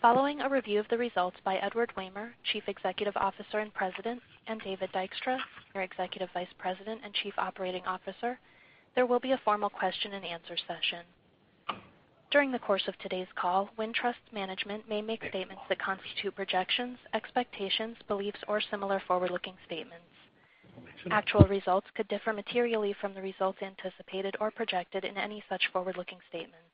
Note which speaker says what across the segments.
Speaker 1: Following a review of the results by Edward Wehmer, Chief Executive Officer and President, and David Dykstra, Executive Vice President and Chief Operating Officer, there will be a formal question and answer session. During the course of today's call, Wintrust management may make statements that constitute projections, expectations, beliefs, or similar forward-looking statements. Actual results could differ materially from the results anticipated or projected in any such forward-looking statements.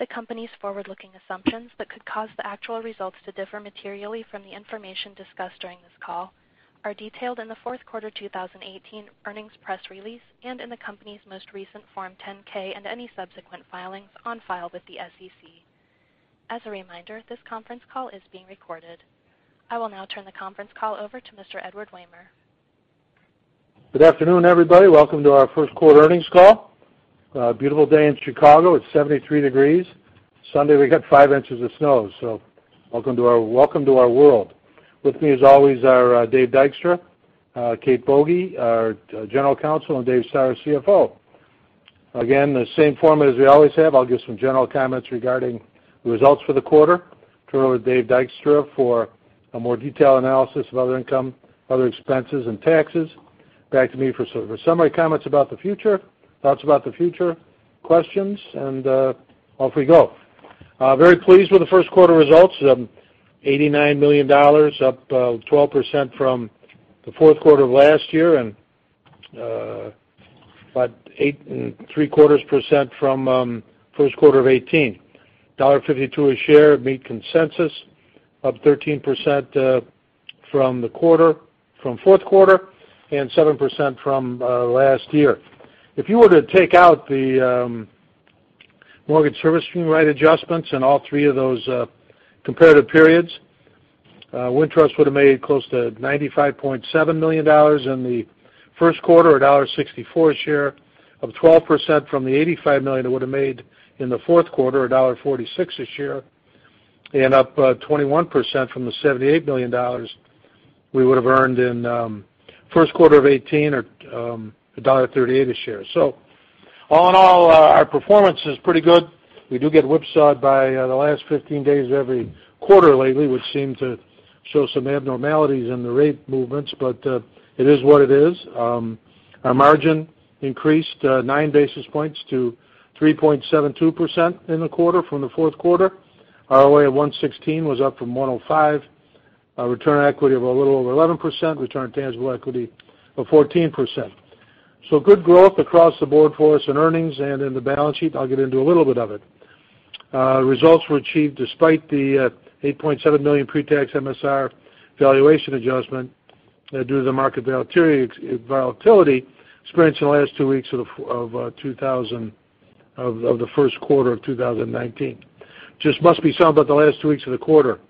Speaker 1: The company's forward-looking assumptions that could cause the actual results to differ materially from the information discussed during this call are detailed in the fourth quarter 2018 earnings press release and in the company's most recent Form 10-K and any subsequent filings on file with the SEC. As a reminder, this conference call is being recorded. I will now turn the conference call over to Mr. Edward Wehmer.
Speaker 2: Good afternoon, everybody. Welcome to our first-quarter earnings call. A beautiful day in Chicago. It's 73 degrees. Sunday, we got five inches of snow, welcome to our world. With me, as always, are Dave Dykstra, Kate Boege, our general counsel, and Dave Stoehr, our CFO. Again, the same format as we always have. I'll give some general comments regarding the results for the quarter, turn it over to Dave Dykstra for a more detailed analysis of other income, other expenses, and taxes. Back to me for summary comments about the future, thoughts about the future, questions, off we go. Very pleased with the first quarter results. $89 million, up 12% from the fourth quarter of last year and about 8.75% from first quarter of 2018. $1.52 a share, meet consensus, up 13% from fourth quarter and 7% from last year. If you were to take out the mortgage servicing right adjustments in all three of those comparative periods, Wintrust would have made close to $95.7 million in the first quarter, $1.64 a share, up 12% from the $85 million it would have made in the fourth quarter, $1.46 a share, up 21% from the $78 million we would have earned in first quarter of 2018 at $1.38 a share. All in all, our performance is pretty good. We do get whipsawed by the last 15 days every quarter lately, which seem to show some abnormalities in the rate movements, it is what it is. Our margin increased 9 basis points to 3.72% in the quarter from the fourth quarter. ROA at 116 was up from 105. Return on equity of a little over 11%, return on tangible equity of 14%. Good growth across the board for us in earnings and in the balance sheet. I'll get into a little bit of it. Results were achieved despite the $8.7 million pre-tax MSR valuation adjustment due to the market volatility experienced in the last two weeks of the first quarter of 2019. Just must be something about the last two weeks of the quarter.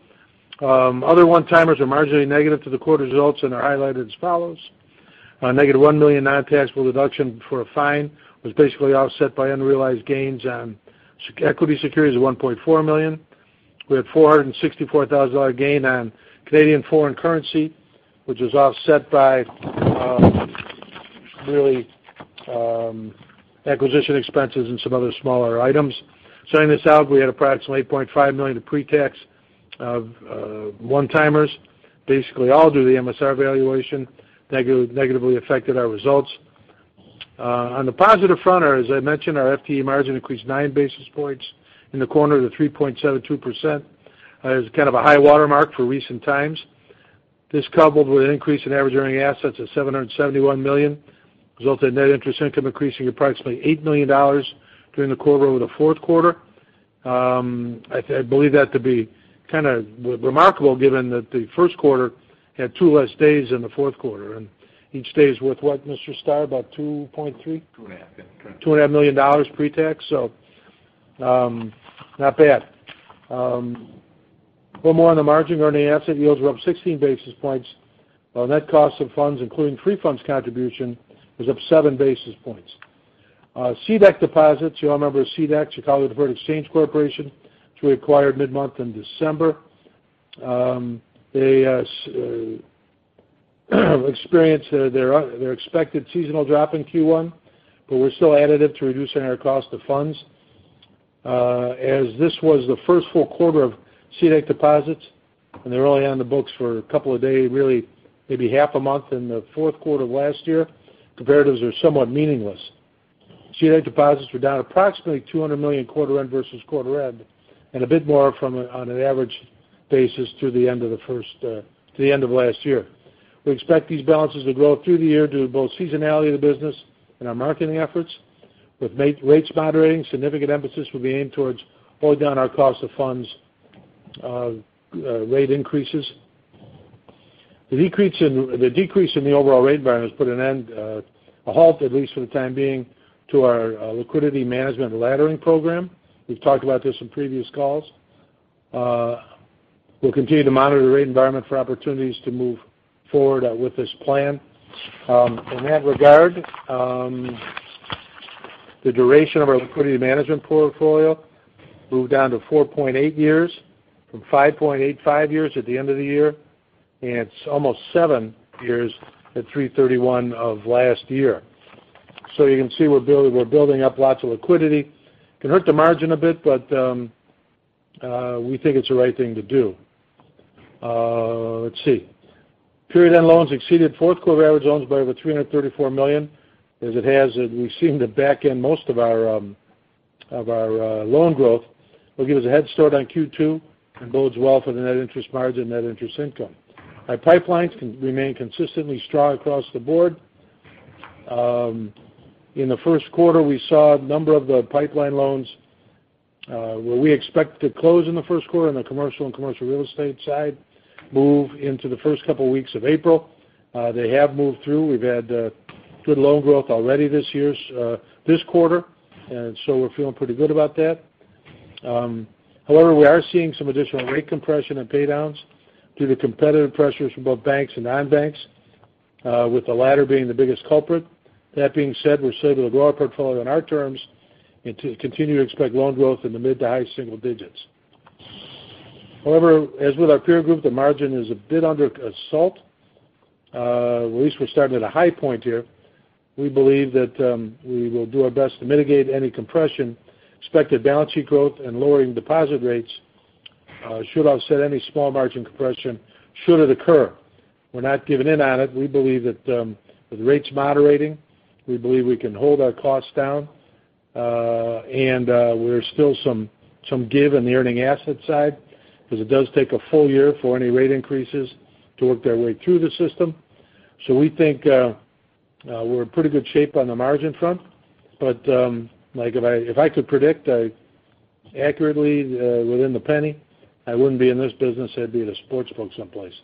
Speaker 2: Other one-timers are marginally negative to the quarter results and are highlighted as follows. A negative $1 million non-taxable deduction for a fine was basically offset by unrealized gains on equity securities of $1.4 million. We had $464,000 gain on Canadian foreign currency, which was offset by really acquisition expenses and some other smaller items. Saying this out, we had approximately $8.5 million of pre-tax of one-timers, basically all due to the MSR valuation negatively affected our results. On the positive front, as I mentioned, our FTE margin increased nine basis points in the quarter to 3.72%. That is kind of a high water mark for recent times. This coupled with an increase in average earning assets of $771 million, resulted in net interest income increasing approximately $8 million during the quarter over the fourth quarter. I believe that to be kind of remarkable given that the first quarter had two less days than the fourth quarter, and each day is worth what, Mr. Stoehr? About $2.3 million? Two and a half million. $2.5 million pre-tax. Not bad. Little more on the margin. Earning asset yields were up 16 basis points. Net cost of funds, including free funds contribution, was up seven basis points. CDEC deposits. You all remember CDEC, Chicago Deferred Exchange Company, which we acquired mid-month in December. They experienced their expected seasonal drop in Q1, were still additive to reducing our cost of funds. As this was the first full quarter of CDEC deposits, and they were only on the books for a couple of days, really maybe half a month in the fourth quarter of last year, comparatives are somewhat meaningless. CDEC deposits were down approximately $200 million quarter end versus quarter end, and a bit more on an average basis through the end of last year. We expect these balances to grow through the year due to both seasonality of the business and our marketing efforts. With rates moderating, significant emphasis will be aimed towards holding down our cost of funds rate increases. The decrease in the overall rate environment has put a halt, at least for the time being, to our liquidity management laddering program. We've talked about this in previous calls. We'll continue to monitor the rate environment for opportunities to move forward with this plan. In that regard, the duration of our liquidity management portfolio moved down to 4.8 years from 5.85 years at the end of the year. It's almost seven years at 3/31 of last year. You can see we're building up lots of liquidity. It can hurt the margin a bit, but we think it's the right thing to do. Let's see. Period-end loans exceeded fourth quarter average loans by over $334 million, as it has, we've seen the back end, most of our loan growth will give us a head start on Q2, and bodes well for the net interest margin, net interest income. Our pipelines remain consistently strong across the board. In the first quarter, we saw a number of the pipeline loans where we expect to close in the first quarter on the commercial and commercial real estate side move into the first couple of weeks of April. They have moved through. We've had good loan growth already this quarter, we're feeling pretty good about that. However, we are seeing some additional rate compression and paydowns due to competitive pressures from both banks and non-banks, with the latter being the biggest culprit. That being said, we're set to grow our portfolio on our terms and to continue to expect loan growth in the mid to high single digits. However, as with our peer group, the margin is a bit under assault. At least we're starting at a high point here. We believe that we will do our best to mitigate any compression. Expected balance sheet growth and lowering deposit rates should offset any small margin compression should it occur. We're not giving in on it. We believe that with rates moderating, we believe we can hold our costs down. There's still some give on the earning asset side, because it does take a full year for any rate increases to work their way through the system. We think we're in pretty good shape on the margin front. If I could predict accurately within the penny, I wouldn't be in this business. I'd be at a sports book someplace.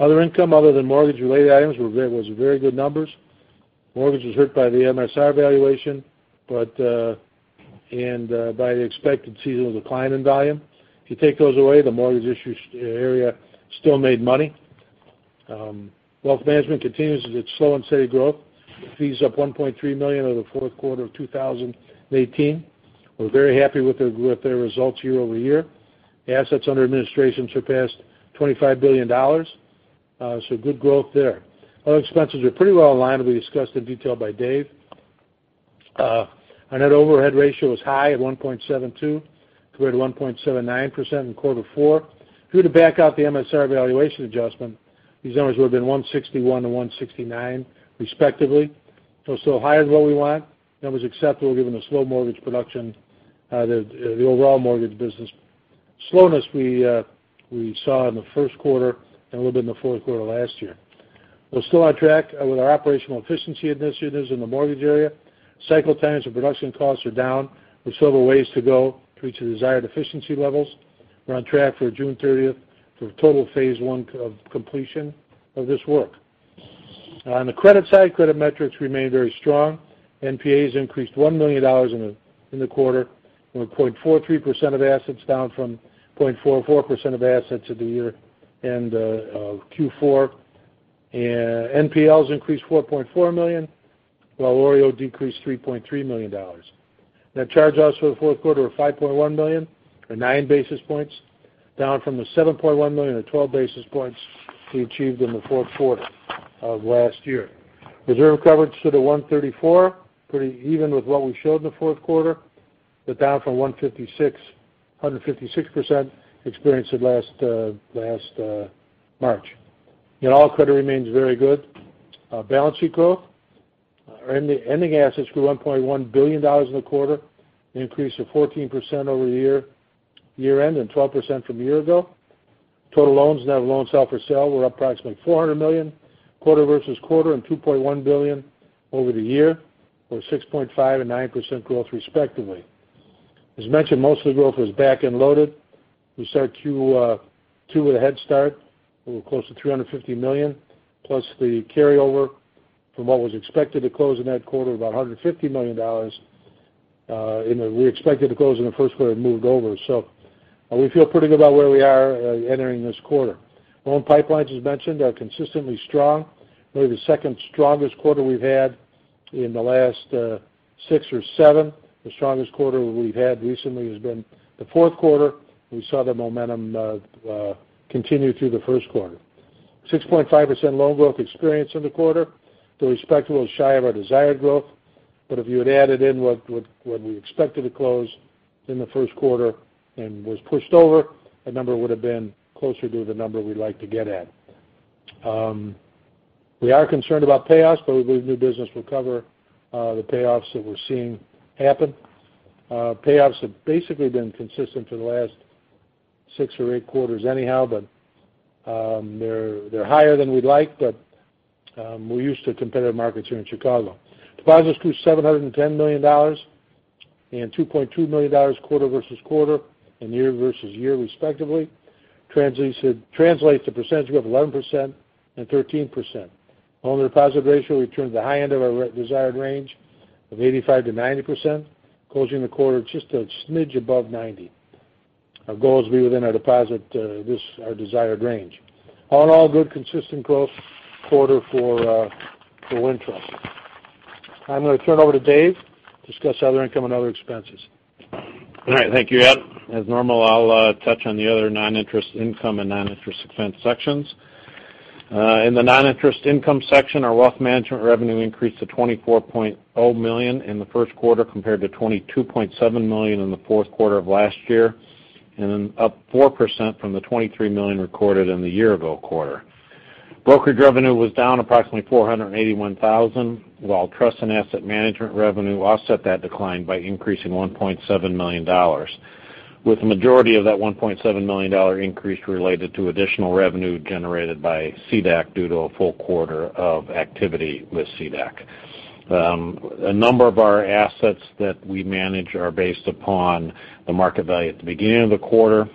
Speaker 2: Other income other than mortgage-related items was very good numbers. Mortgage was hurt by the MSR valuation, and by the expected seasonal decline in volume. If you take those away, the mortgage issue area still made money. Wealth management continues its slow and steady growth. Fees up $1.3 million over the fourth quarter of 2018. We're very happy with their results year-over-year. Assets under administration surpassed $25 billion. Good growth there. Other expenses are pretty well in line and will be discussed in detail by Dave. Our net overhead ratio is high at 1.72 compared to 1.79% in quarter four. If we were to back out the MSR valuation adjustment, these numbers would've been 161-169 respectively. Still higher than what we want. That was acceptable given the slow mortgage production, the overall mortgage business slowness we saw in the first quarter and a little bit in the fourth quarter last year. We're still on track with our operational efficiency initiatives in the mortgage area. Cycle times and production costs are down. We still have a ways to go to reach the desired efficiency levels. We're on track for June 30th for total phase 1 completion of this work. On the credit side, credit metrics remain very strong. NPAs increased $1 million in the quarter, from 0.43% of assets down from 0.44% of assets at the year end of Q4. NPLs increased $4.4 million, while OREO decreased $3.3 million. Net charge-offs for the fourth quarter were $5.1 million or 9 basis points, down from the $7.1 million at 12 basis points we achieved in the fourth quarter of last year. Reserve coverage is at a 134%, pretty even with what we showed in the fourth quarter, but down from 156% experienced last March. In all, credit remains very good. Balance sheet growth. Our ending assets grew $1.1 billion in the quarter, an increase of 14% over the year end, and 12% from a year ago. Total loans net of loans held for sale were approximately $400 million quarter-versus-quarter, and $2.1 billion over the year were 6.5% and 9% growth respectively. As mentioned, most of the growth was back and loaded. We start Q2 with a head start with close to $350 million, plus the carryover from what was expected to close in that quarter, about $150 million. We expected to close in the first quarter and moved over. We feel pretty good about where we are entering this quarter. Loan pipelines, as mentioned, are consistently strong. Maybe the second strongest quarter we've had in the last six or seven. The strongest quarter we've had recently has been the fourth quarter. We saw the momentum continue through the first quarter. 6.5% loan growth experienced in the quarter. Though respectable, shy of our desired growth. If you had added in what we expected to close in the first quarter and was pushed over, that number would have been closer to the number we'd like to get at. We are concerned about payoffs, but we believe new business will cover the payoffs that we're seeing happen. Payoffs have basically been consistent for the last six or eight quarters anyhow. They're higher than we'd like, but we're used to competitive markets here in Chicago. Deposits grew $710 million and $2.2 billion quarter-versus-quarter and year-versus-year respectively. Translates to percentage of 11% and 13%. On the deposit ratio, we turned the high end of our desired range of 85%-90%, closing the quarter just a smidge above 90%. Our goal is to be within our deposit, our desired range. All in all, good consistent growth quarter for Wintrust. I'm going to turn it over to Dave to discuss other income and other expenses.
Speaker 3: All right. Thank you, Ed. As normal, I'll touch on the other non-interest income and non-interest expense sections. In the non-interest income section, our wealth management revenue increased to $24.0 million in the first quarter compared to $22.7 million in the fourth quarter of last year, up 4% from the $23 million recorded in the year-ago quarter. Brokerage revenue was down approximately $481,000, while trust and asset management revenue offset that decline by increasing $1.7 million, with the majority of that $1.7 million increase related to additional revenue generated by CDEC due to a full quarter of activity with CDEC. A number of our assets that we manage are based upon the market value at the beginning of the quarter.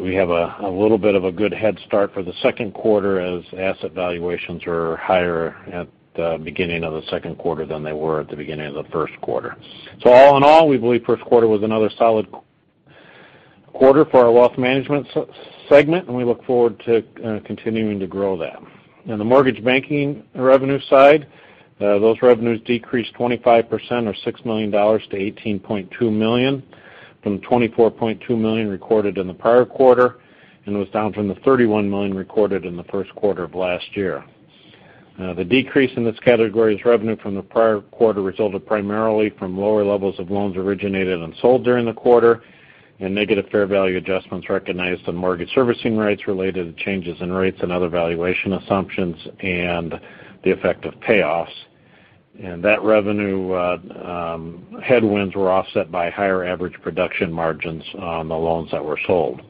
Speaker 3: We have a little bit of a good head start for the second quarter as asset valuations are higher at the beginning of the second quarter than they were at the beginning of the first quarter. All in all, we believe first quarter was another solid quarter for our wealth management segment, and we look forward to continuing to grow that. In the mortgage banking revenue side, those revenues decreased 25% or $6 million to $18.2 million from $24.2 million recorded in the prior quarter, and was down from the $31 million recorded in the first quarter of last year. The decrease in this category's revenue from the prior quarter resulted primarily from lower levels of loans originated and sold during the quarter and negative fair value adjustments recognized on Mortgage Servicing Rights related to changes in rates and other valuation assumptions and the effect of payoffs. That revenue headwinds were offset by higher average production margins on the loans that were sold.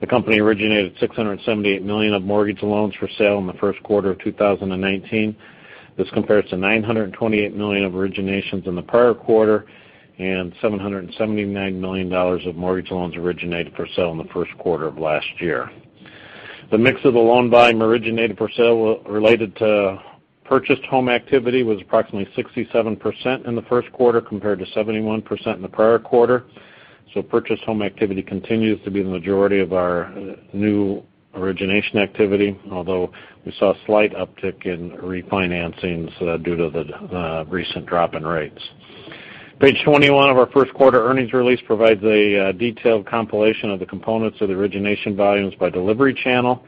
Speaker 3: The company originated $678 million of mortgage loans for sale in the first quarter of 2019. This compares to $928 million of originations in the prior quarter and $779 million of mortgage loans originated for sale in the first quarter of last year. The mix of the loan volume originated for sale related to purchased home activity was approximately 67% in the first quarter, compared to 71% in the prior quarter. Purchased home activity continues to be the majority of our new origination activity, although we saw a slight uptick in refinancing due to the recent drop in rates. Page 21 of our first quarter earnings release provides a detailed compilation of the components of the origination volumes by delivery channel,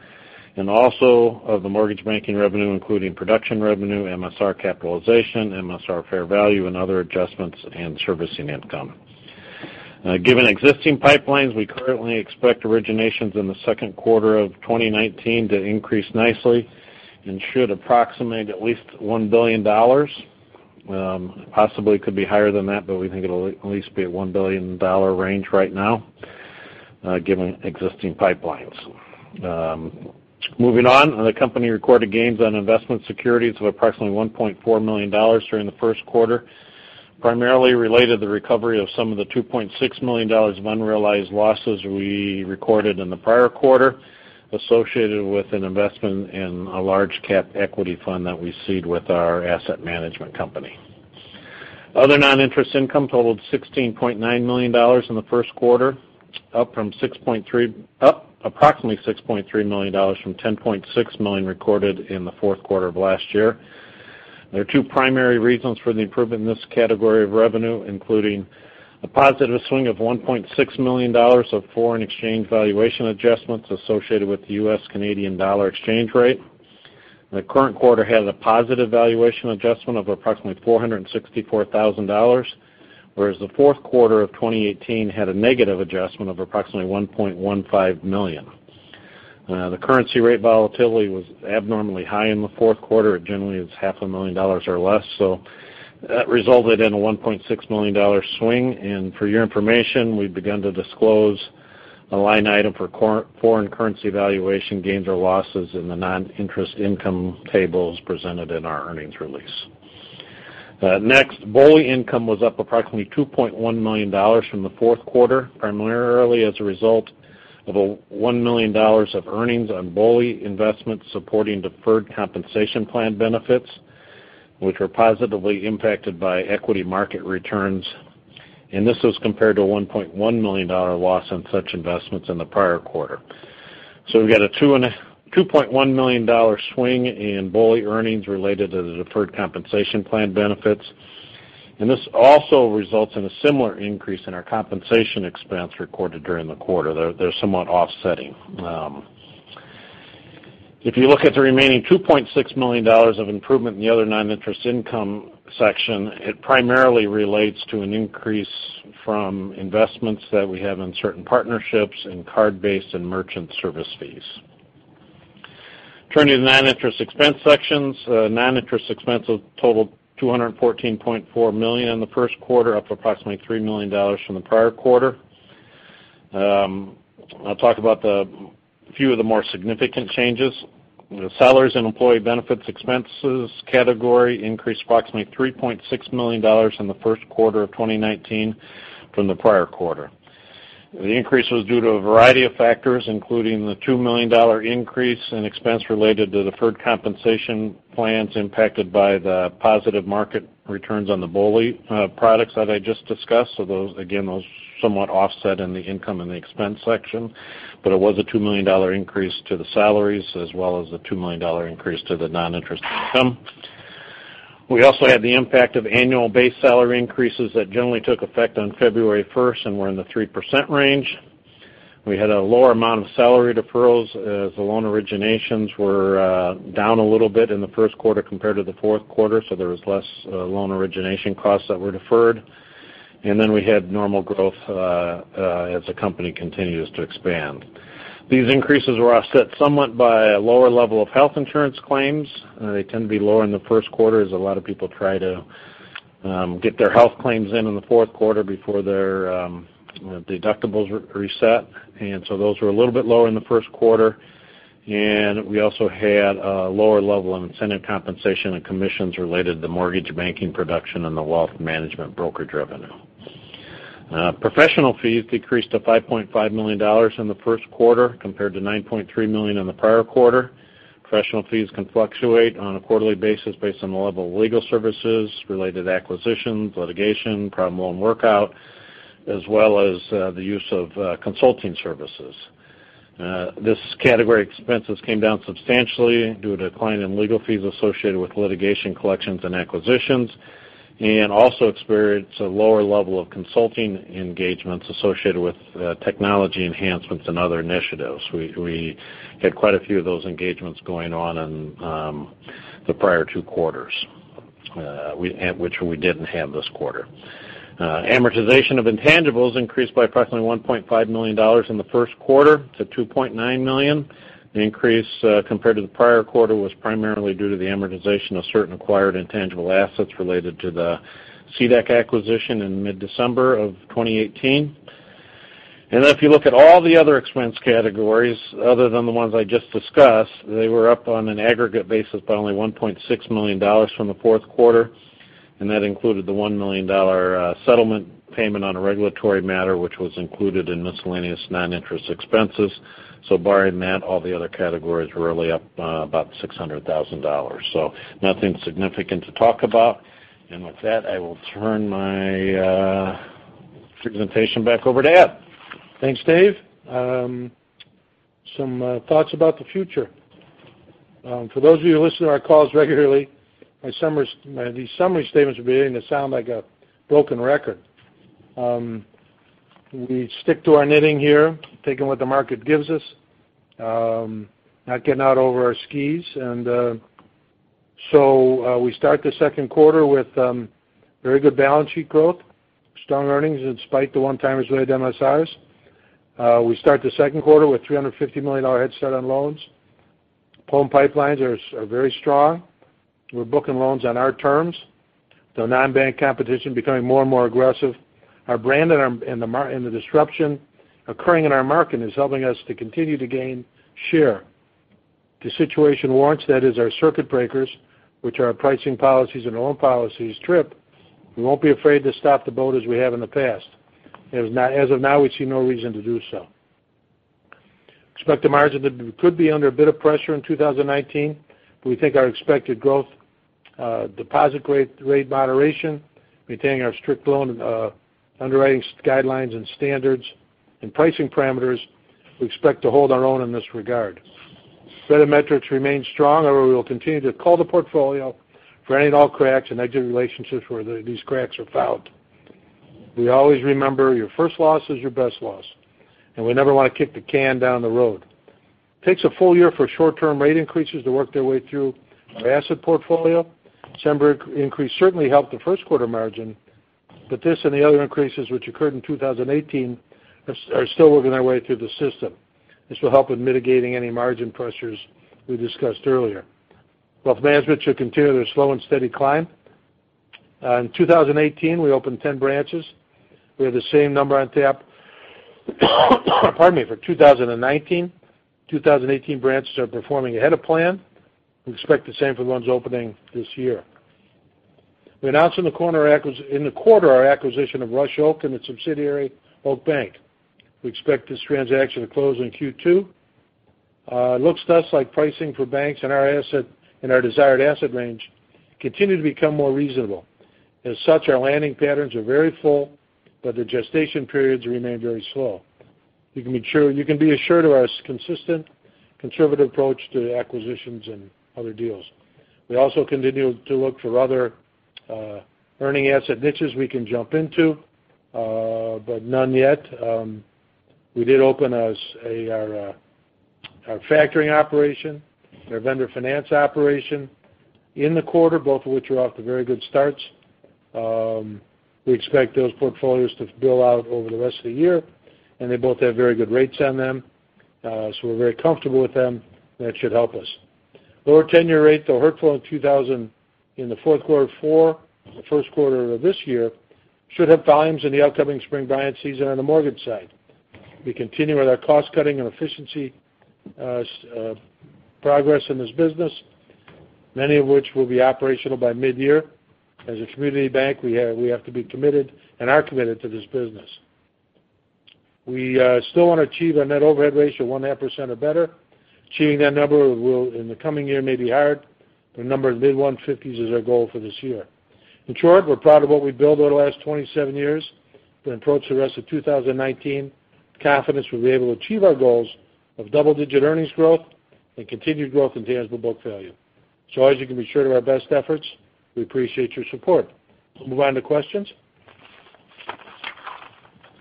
Speaker 3: and also of the mortgage banking revenue, including production revenue, MSR capitalization, MSR fair value, and other adjustments and servicing income. Given existing pipelines, we currently expect originations in the second quarter of 2019 to increase nicely and should approximate at least $1 billion. Possibly could be higher than that, but we think it will at least be at $1 billion range right now, given existing pipelines. The company recorded gains on investment securities of approximately $1.4 million during the first quarter, primarily related to the recovery of some of the $2.6 million of unrealized losses we recorded in the prior quarter, associated with an investment in a large cap equity fund that we seed with our asset management company. Other non-interest income totaled $16.9 million in the first quarter, up approximately $6.3 million from $10.6 million recorded in the fourth quarter of last year. There are two primary reasons for the improvement in this category of revenue, including a positive swing of $1.6 million of foreign exchange valuation adjustments associated with the U.S. Canadian dollar exchange rate. The current quarter has a positive valuation adjustment of approximately 464,000 dollars, whereas the fourth quarter of 2018 had a negative adjustment of approximately $1.15 million. The currency rate volatility was abnormally high in the fourth quarter. It generally is half a million dollars or less. That resulted in a $1.6 million swing. For your information, we have begun to disclose a line item for foreign currency valuation gains or losses in the non-interest income tables presented in our earnings release. BOLI income was up approximately $2.1 million from the fourth quarter, primarily as a result of a $1 million of earnings on BOLI investments supporting deferred compensation plan benefits, which were positively impacted by equity market returns, and this was compared to a $1.1 million loss on such investments in the prior quarter. We have got a $2.1 million swing in BOLI earnings related to the deferred compensation plan benefits. This also results in a similar increase in our compensation expense recorded during the quarter. They are somewhat offsetting. If you look at the remaining $2.6 million of improvement in the other non-interest income section, it primarily relates to an increase from investments that we have in certain partnerships in card-based and merchant service fees. Turning to the non-interest expense sections. Non-interest expenses totaled $214.4 million in the first quarter, up approximately $3 million from the prior quarter. I'll talk about a few of the more significant changes. The salaries and employee benefits expenses category increased approximately $3.6 million in the first quarter of 2019 from the prior quarter. The increase was due to a variety of factors, including the $2 million increase in expense related to deferred compensation plans impacted by the positive market returns on the BOLI products that I just discussed. Again, those somewhat offset in the income and the expense section. It was a $2 million increase to the salaries as well as a $2 million increase to the non-interest income. We also had the impact of annual base salary increases that generally took effect on February 1st and were in the 3% range. We had a lower amount of salary deferrals as the loan originations were down a little bit in the first quarter compared to the fourth quarter, so there was less loan origination costs that were deferred. We had normal growth as the company continues to expand. These increases were offset somewhat by a lower level of health insurance claims. They tend to be lower in the first quarter as a lot of people try to get their health claims in in the fourth quarter before their deductibles reset. Those were a little bit lower in the first quarter. We also had a lower level in incentive compensation and commissions related to mortgage banking production and the wealth management broker revenue. Professional fees decreased to $5.5 million in the first quarter compared to $9.3 million in the prior quarter. Professional fees can fluctuate on a quarterly basis based on the level of legal services related to acquisitions, litigation, problem loan workout, as well as the use of consulting services. This category expenses came down substantially due to a decline in legal fees associated with litigation collections and acquisitions, and also experienced a lower level of consulting engagements associated with technology enhancements and other initiatives. We had quite a few of those engagements going on in the prior two quarters, which we didn't have this quarter. Amortization of intangibles increased by approximately $1.5 million in the first quarter to $2.9 million. The increase compared to the prior quarter was primarily due to the amortization of certain acquired intangible assets related to the CDEC acquisition in mid-December of 2018. If you look at all the other expense categories other than the ones I just discussed, they were up on an aggregate basis by only $1.6 million from the fourth quarter, and that included the $1 million settlement payment on a regulatory matter, which was included in miscellaneous non-interest expenses. Barring that, all the other categories were really up by about $600,000. Nothing significant to talk about. With that, I will turn my presentation back over to Ed.
Speaker 2: Thanks, Dave. Some thoughts about the future. For those of you who listen to our calls regularly, these summary statements will be beginning to sound like a broken record. We stick to our knitting here, taking what the market gives us, not getting out over our skis. We start the second quarter with very good balance sheet growth, strong earnings in spite the one-timers related to MSRs. We start the second quarter with $350 million head start on loans. Home pipelines are very strong. We're booking loans on our terms. The non-bank competition becoming more and more aggressive. Our brand and the disruption occurring in our market is helping us to continue to gain share. If the situation warrants, that is our circuit breakers, which are our pricing policies and loan policies trip, we won't be afraid to stop the boat as we have in the past. As of now, we see no reason to do so. Expect the margin could be under a bit of pressure in 2019. We think our expected growth deposit rate moderation, maintaining our strict loan underwriting guidelines and standards and pricing parameters, we expect to hold our own in this regard. Credit metrics remain strong, and we will continue to call the portfolio for any and all cracks and exit relationships where these cracks are found. We always remember your first loss is your best loss, and we never want to kick the can down the road. Takes a full year for short-term rate increases to work their way through our asset portfolio. December increase certainly helped the first quarter margin, but this and the other increases which occurred in 2018 are still working their way through the system. This will help with mitigating any margin pressures we discussed earlier. Wealth management should continue their slow and steady climb. In 2018, we opened 10 branches. We have the same number on tap pardon me, for 2019. 2018 branches are performing ahead of plan. We expect the same for the ones opening this year. We announced in the quarter our acquisition of Rush-Oak Corporation and its subsidiary, Oak Bank. We expect this transaction to close in Q2. It looks to us like pricing for banks in our desired asset range continue to become more reasonable. As such, our landing patterns are very full, but the gestation periods remain very slow. You can be assured of our consistent, conservative approach to acquisitions and other deals. We also continue to look for other earning asset niches we can jump into, but none yet. We did open our factoring operation, our vendor finance operation in the quarter, both of which are off to very good starts. We expect those portfolios to bill out over the rest of the year, and they both have very good rates on them. We're very comfortable with them. That should help us. Lower 10-year rates that hurt flow in the fourth quarter of the first quarter of this year should help volumes in the upcoming spring buying season on the mortgage side. We continue with our cost-cutting and efficiency progress in this business, many of which will be operational by mid-year. As a community bank, we have to be committed and are committed to this business. We still want to achieve our net overhead ratio one and a half % or better. Achieving that number in the coming year may be hard. The number mid-150s is our goal for this year. In short, we're proud of what we've built over the last 27 years, and approach the rest of 2019 with confidence we'll be able to achieve our goals of double-digit earnings growth and continued growth in tangible book value. Always, you can be sure of our best efforts. We appreciate your support. We'll move on to questions.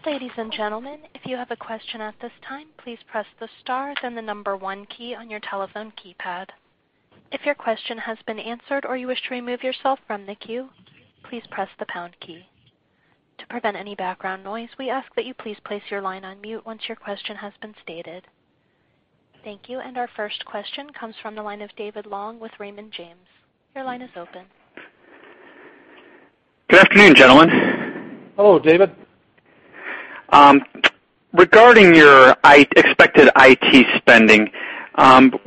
Speaker 1: Ladies and gentlemen, if you have a question at this time, please press the star, then the 1 key on your telephone keypad. If your question has been answered or you wish to remove yourself from the queue, please press the pound key. To prevent any background noise, we ask that you please place your line on mute once your question has been stated. Thank you. Our first question comes from the line of David Long with Raymond James. Your line is open.
Speaker 4: Good afternoon, gentlemen.
Speaker 2: Hello, David.
Speaker 4: Regarding your expected IT spending, what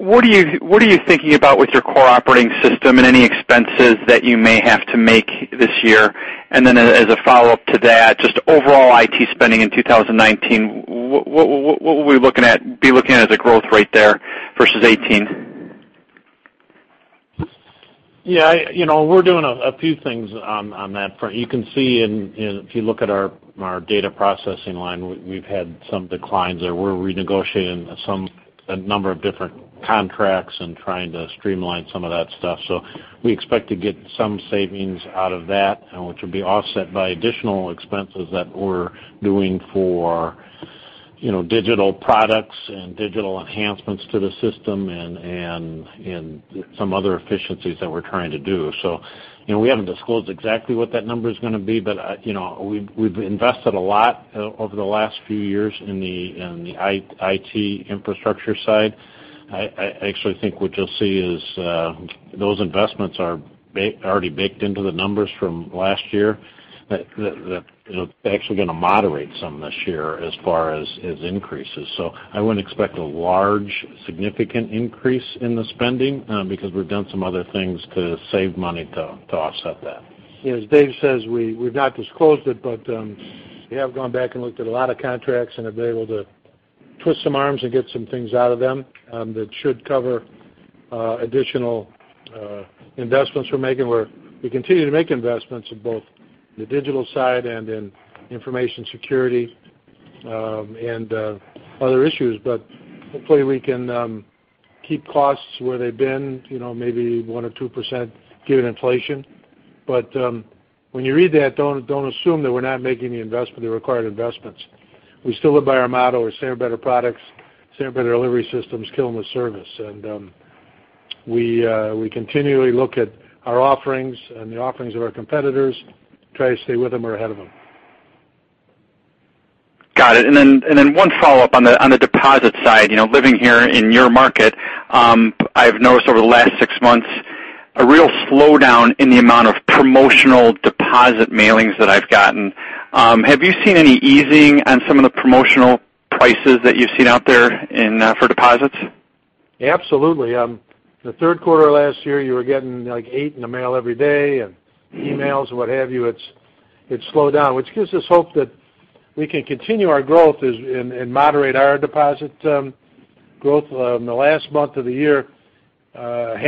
Speaker 4: are you thinking about with your core operating system and any expenses that you may have to make this year? Then as a follow-up to that, just overall IT spending in 2019, what would we be looking at as a growth rate there versus 2018?
Speaker 3: Yeah. We're doing a few things on that front. You can see, if you look at our data processing line, we've had some declines there. We're renegotiating a number of different contracts and trying to streamline some of that stuff. We expect to get some savings out of that, which will be offset by additional expenses that we're doing for digital products and digital enhancements to the system, and some other efficiencies that we're trying to do. We haven't disclosed exactly what that number's going to be, but we've invested a lot over the last few years in the IT infrastructure side. I actually think what you'll see is those investments are already baked into the numbers from last year. They're actually going to moderate some this year as far as increases. I wouldn't expect a large significant increase in the spending because we've done some other things to save money to offset that.
Speaker 2: Yeah. As Dave says, we've not disclosed it, but we have gone back and looked at a lot of contracts and have been able to twist some arms and get some things out of them that should cover additional investments we're making, where we continue to make investments in both the digital side and in information security, and other issues. Hopefully, we can keep costs where they've been, maybe one or 2% given inflation. When you read that, don't assume that we're not making the required investments. We still live by our motto, "Selling better products, selling better delivery systems, killing with service." We continually look at our offerings and the offerings of our competitors, try to stay with them or ahead of them.
Speaker 4: Got it. One follow-up on the deposit side. Living here in your market, I've noticed over the last six months a real slowdown in the amount of promotional deposit mailings that I've gotten. Have you seen any easing on some of the promotional prices that you've seen out there for deposits?
Speaker 2: Absolutely. The third quarter last year, you were getting like eight in the mail every day, and emails and what have you. It's slowed down, which gives us hope that we can continue our growth and moderate our deposit growth. In the last month of the year, the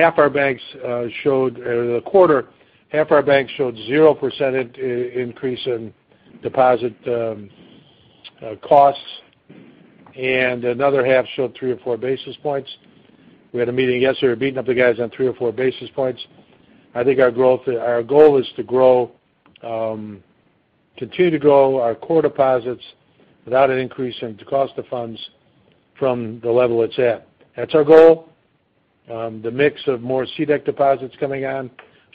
Speaker 2: quarter, half our banks showed 0% increase in deposit costs, and another half showed three or four basis points. We had a meeting yesterday, beating up the guys on three or four basis points. I think our goal is to continue to grow our core deposits without an increase in cost of funds from the level it's at. That's our goal. The mix of more CDEC deposits coming on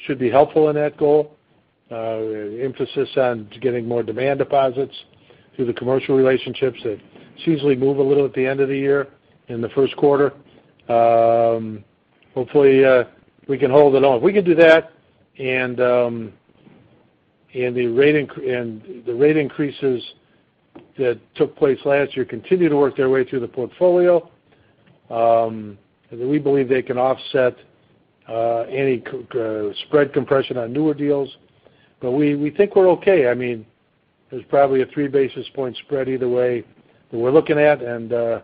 Speaker 2: should be helpful in that goal. Emphasis on getting more demand deposits through the commercial relationships that seems to move a little at the end of the year in the first quarter. Hopefully, we can hold it on. If we can do that, and the rate increases that took place last year continue to work their way through the portfolio, then we believe they can offset any spread compression on newer deals. We think we're okay. There's probably a three basis point spread either way that we're looking at, and we're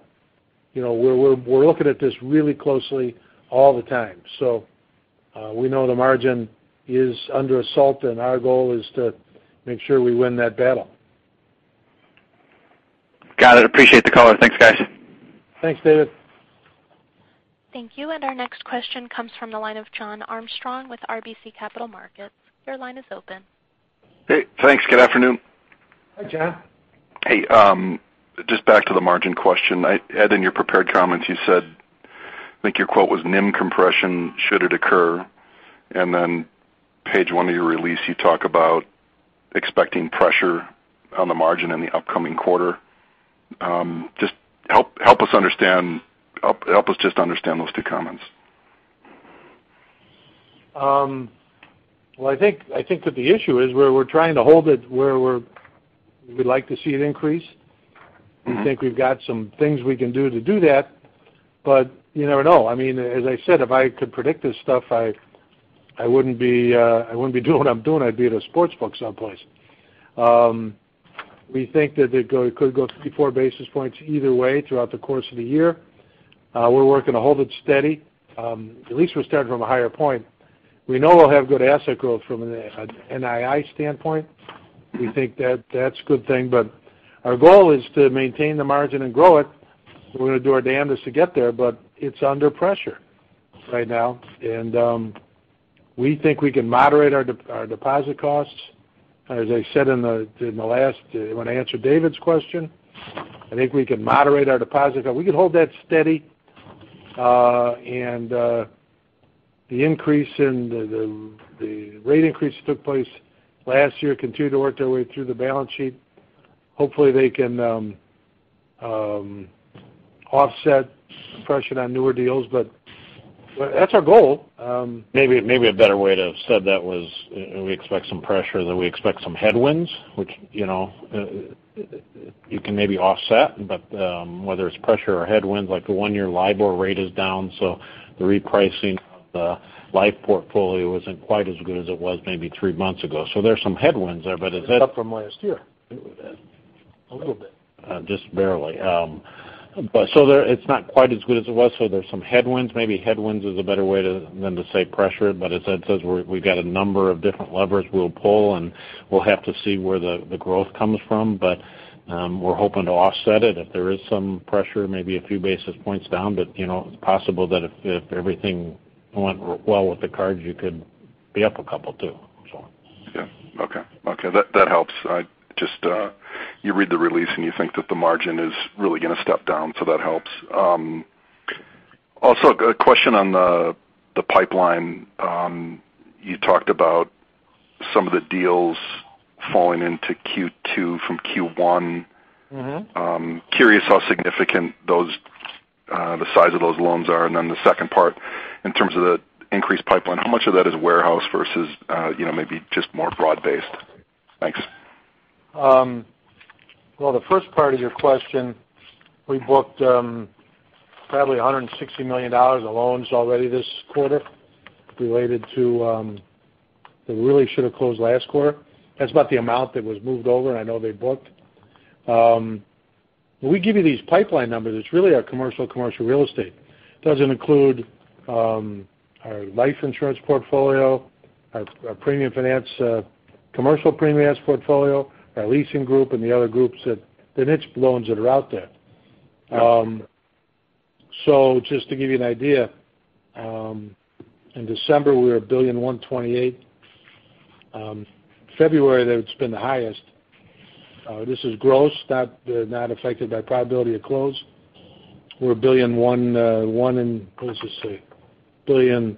Speaker 2: looking at this really closely all the time. We know the margin is under assault, and our goal is to make sure we win that battle.
Speaker 4: Got it. Appreciate the color. Thanks, guys.
Speaker 2: Thanks, David.
Speaker 1: Thank you. Our next question comes from the line of Jon Arfstrom with RBC Capital Markets. Your line is open.
Speaker 5: Hey, thanks. Good afternoon.
Speaker 2: Hi, Jon.
Speaker 5: Hey. Just back to the margin question. Ed, in your prepared comments, you said, I think your quote was, "NIM compression should it occur." And then page one of your release, you talk about expecting pressure on the margin in the upcoming quarter. Help us just understand those two comments.
Speaker 2: I think that the issue is we're trying to hold it where we'd like to see it increase. We think we've got some things we can do to do that, but you never know. As I said, if I could predict this stuff, I wouldn't be doing what I'm doing. I'd be at a sportsbook someplace. We think that it could go three to four basis points either way throughout the course of the year. We're working to hold it steady. At least we're starting from a higher point. We know we'll have good asset growth from an NII standpoint. We think that's a good thing, but our goal is to maintain the margin and grow it. We're going to do our damnedest to get there, but it's under pressure right now. We think we can moderate our deposit costs. As I said when I answered David's question, I think we can moderate our deposit costs. We can hold that steady. The rate increase that took place last year continue to work their way through the balance sheet. Hopefully, they can offset pressure on newer deals, That's our goal.
Speaker 3: Maybe a better way to have said that was, we expect some pressure, then we expect some headwinds, which you can maybe offset. Whether it's pressure or headwinds, like the one-year LIBOR rate is down, so the repricing of the life portfolio isn't quite as good as it was maybe three months ago. There's some headwinds there. Is that?
Speaker 2: It's up from last year.
Speaker 3: It is.
Speaker 2: A little bit.
Speaker 3: Just barely. It's not quite as good as it was, so there's some headwinds. Maybe headwinds is a better way than to say pressure. As Ed says, we've got a number of different levers we'll pull, and we'll have to see where the growth comes from. We're hoping to offset it if there is some pressure, maybe a few basis points down. It's possible that if everything went well with the cards, you could be up a couple too.
Speaker 5: Yeah. Okay. That helps. You read the release, and you think that the margin is really going to step down. That helps. Also, a question on the pipeline. You talked about some of the deals falling into Q2 from Q1. Curious how significant the size of those loans are. The second part, in terms of the increased pipeline, how much of that is warehouse versus maybe just more broad-based? Thanks.
Speaker 2: Well, the first part of your question, we booked probably $160 million of loans already this quarter related to They really should have closed last quarter. That's about the amount that was moved over, I know they booked. When we give you these pipeline numbers, it's really our commercial real estate. It doesn't include our life insurance portfolio, our commercial premium finance portfolio, our leasing group, and the other groups that the niche loans that are out there.
Speaker 5: Okay.
Speaker 2: Just to give you an idea, in December, we were $1.128 billion. February, it's been the highest. This is gross, not affected by probability of close. We're $1.188 billion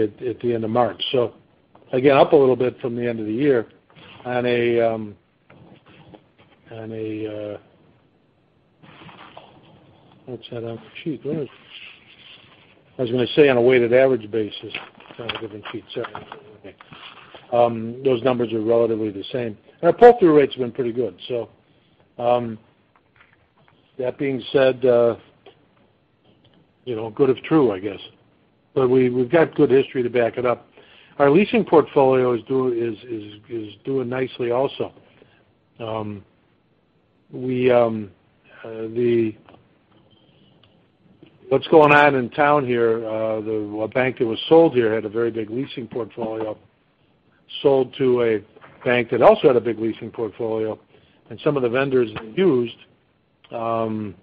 Speaker 2: at the end of March. Again, up a little bit from the end of the year. I was going to say on a weighted average basis, trying to look at the sheet. Those numbers are relatively the same. Our pull-through rates have been pretty good. That being said, good if true, I guess. We've got good history to back it up. Our leasing portfolio is doing nicely also. What's going on in town here, a bank that was sold here had a very big leasing portfolio, sold to a bank that also had a big leasing portfolio. Some of the vendors they used wanted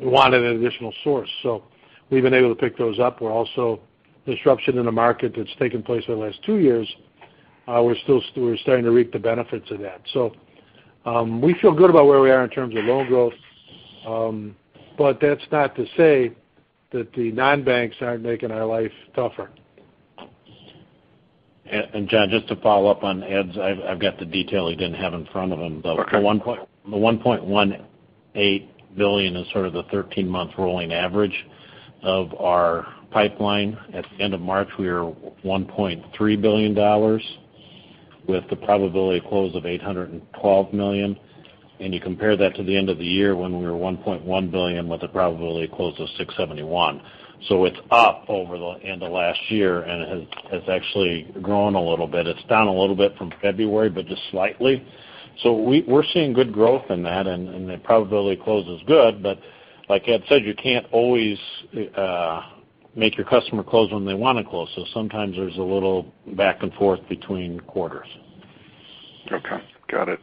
Speaker 2: an additional source. We've been able to pick those up. Disruption in the market that's taken place over the last two years, we're starting to reap the benefits of that. We feel good about where we are in terms of loan growth. That's not to say that the non-banks aren't making our life tougher.
Speaker 3: Jon, just to follow up on Ed's. I've got the detail he didn't have in front of him.
Speaker 5: Okay.
Speaker 3: The $1.18 billion is sort of the 13-month rolling average of our pipeline. At the end of March, we were $1.3 billion, with the probability of close of $812 million. You compare that to the end of the year when we were $1.1 billion with the probability close to $671 million. It's up over the end of last year and has actually grown a little bit. It's down a little bit from February, but just slightly. We're seeing good growth in that, and the probability close is good. Like Ed said, you can't always make your customer close when they want to close. Sometimes there's a little back and forth between quarters.
Speaker 5: Okay. Got it.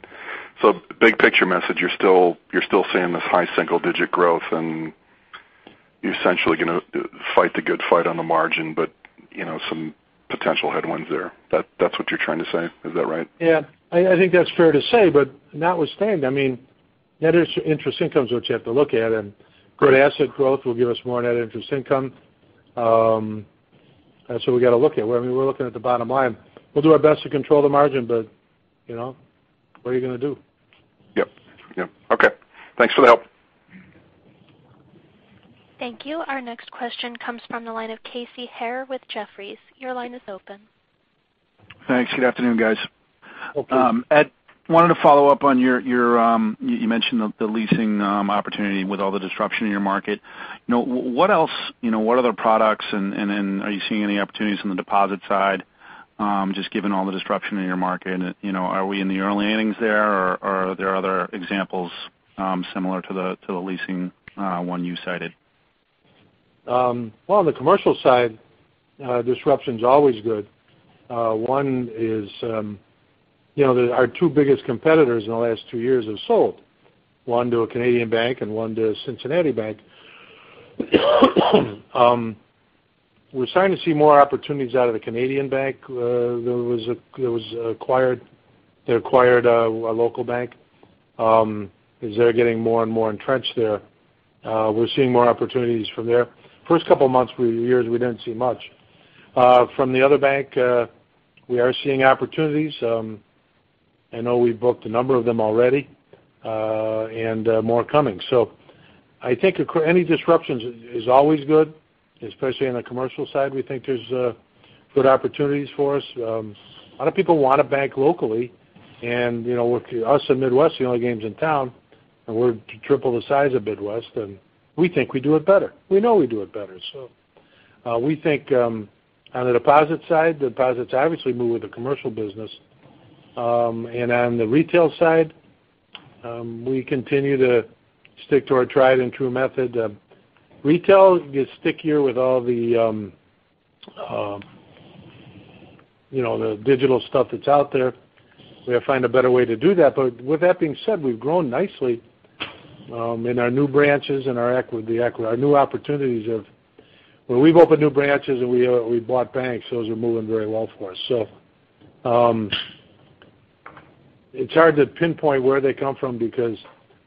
Speaker 5: Big picture message, you're still seeing this high single-digit growth, and you're essentially going to fight the good fight on the margin, but some potential headwinds there. That's what you're trying to say. Is that right?
Speaker 2: Yeah, I think that's fair to say. Notwithstanding, net interest income is what you have to look at. Good asset growth will give us more net interest income. That's what we got to look at. We're looking at the bottom line. We'll do our best to control the margin, but what are you going to do?
Speaker 5: Yep. Okay. Thanks for the help.
Speaker 1: Thank you. Our next question comes from the line of Casey Haire with Jefferies. Your line is open.
Speaker 6: Thanks. Good afternoon, guys.
Speaker 2: Okay.
Speaker 6: Ed, wanted to follow up on, you mentioned the leasing opportunity with all the disruption in your market. What other products, are you seeing any opportunities on the deposit side? Given all the disruption in your market, are we in the early innings there, or are there other examples similar to the leasing one you cited?
Speaker 2: Well, on the commercial side, disruption's always good. One is that our 2 biggest competitors in the last 2 years have sold, one to a Canadian bank and one to a Cincinnati bank. We're starting to see more opportunities out of the Canadian bank. They acquired a local bank. As they're getting more and more entrenched there, we're seeing more opportunities from there. First couple months, years, we didn't see much. From the other bank, we are seeing opportunities. I know we booked a number of them already, and more coming. I think any disruptions is always good, especially on the commercial side. We think there's good opportunities for us. A lot of people want to bank locally, with us and Midwest, the only games in town, we're triple the size of Midwest, we think we do it better. We know we do it better. We think on the deposit side, deposits obviously move with the commercial business. On the retail side, we continue to stick to our tried and true method. Retail gets stickier with all the digital stuff that's out there. We ought to find a better way to do that. With that being said, we've grown nicely in our new branches. Where we've opened new branches and we bought banks, those are moving very well for us. It's hard to pinpoint where they come from because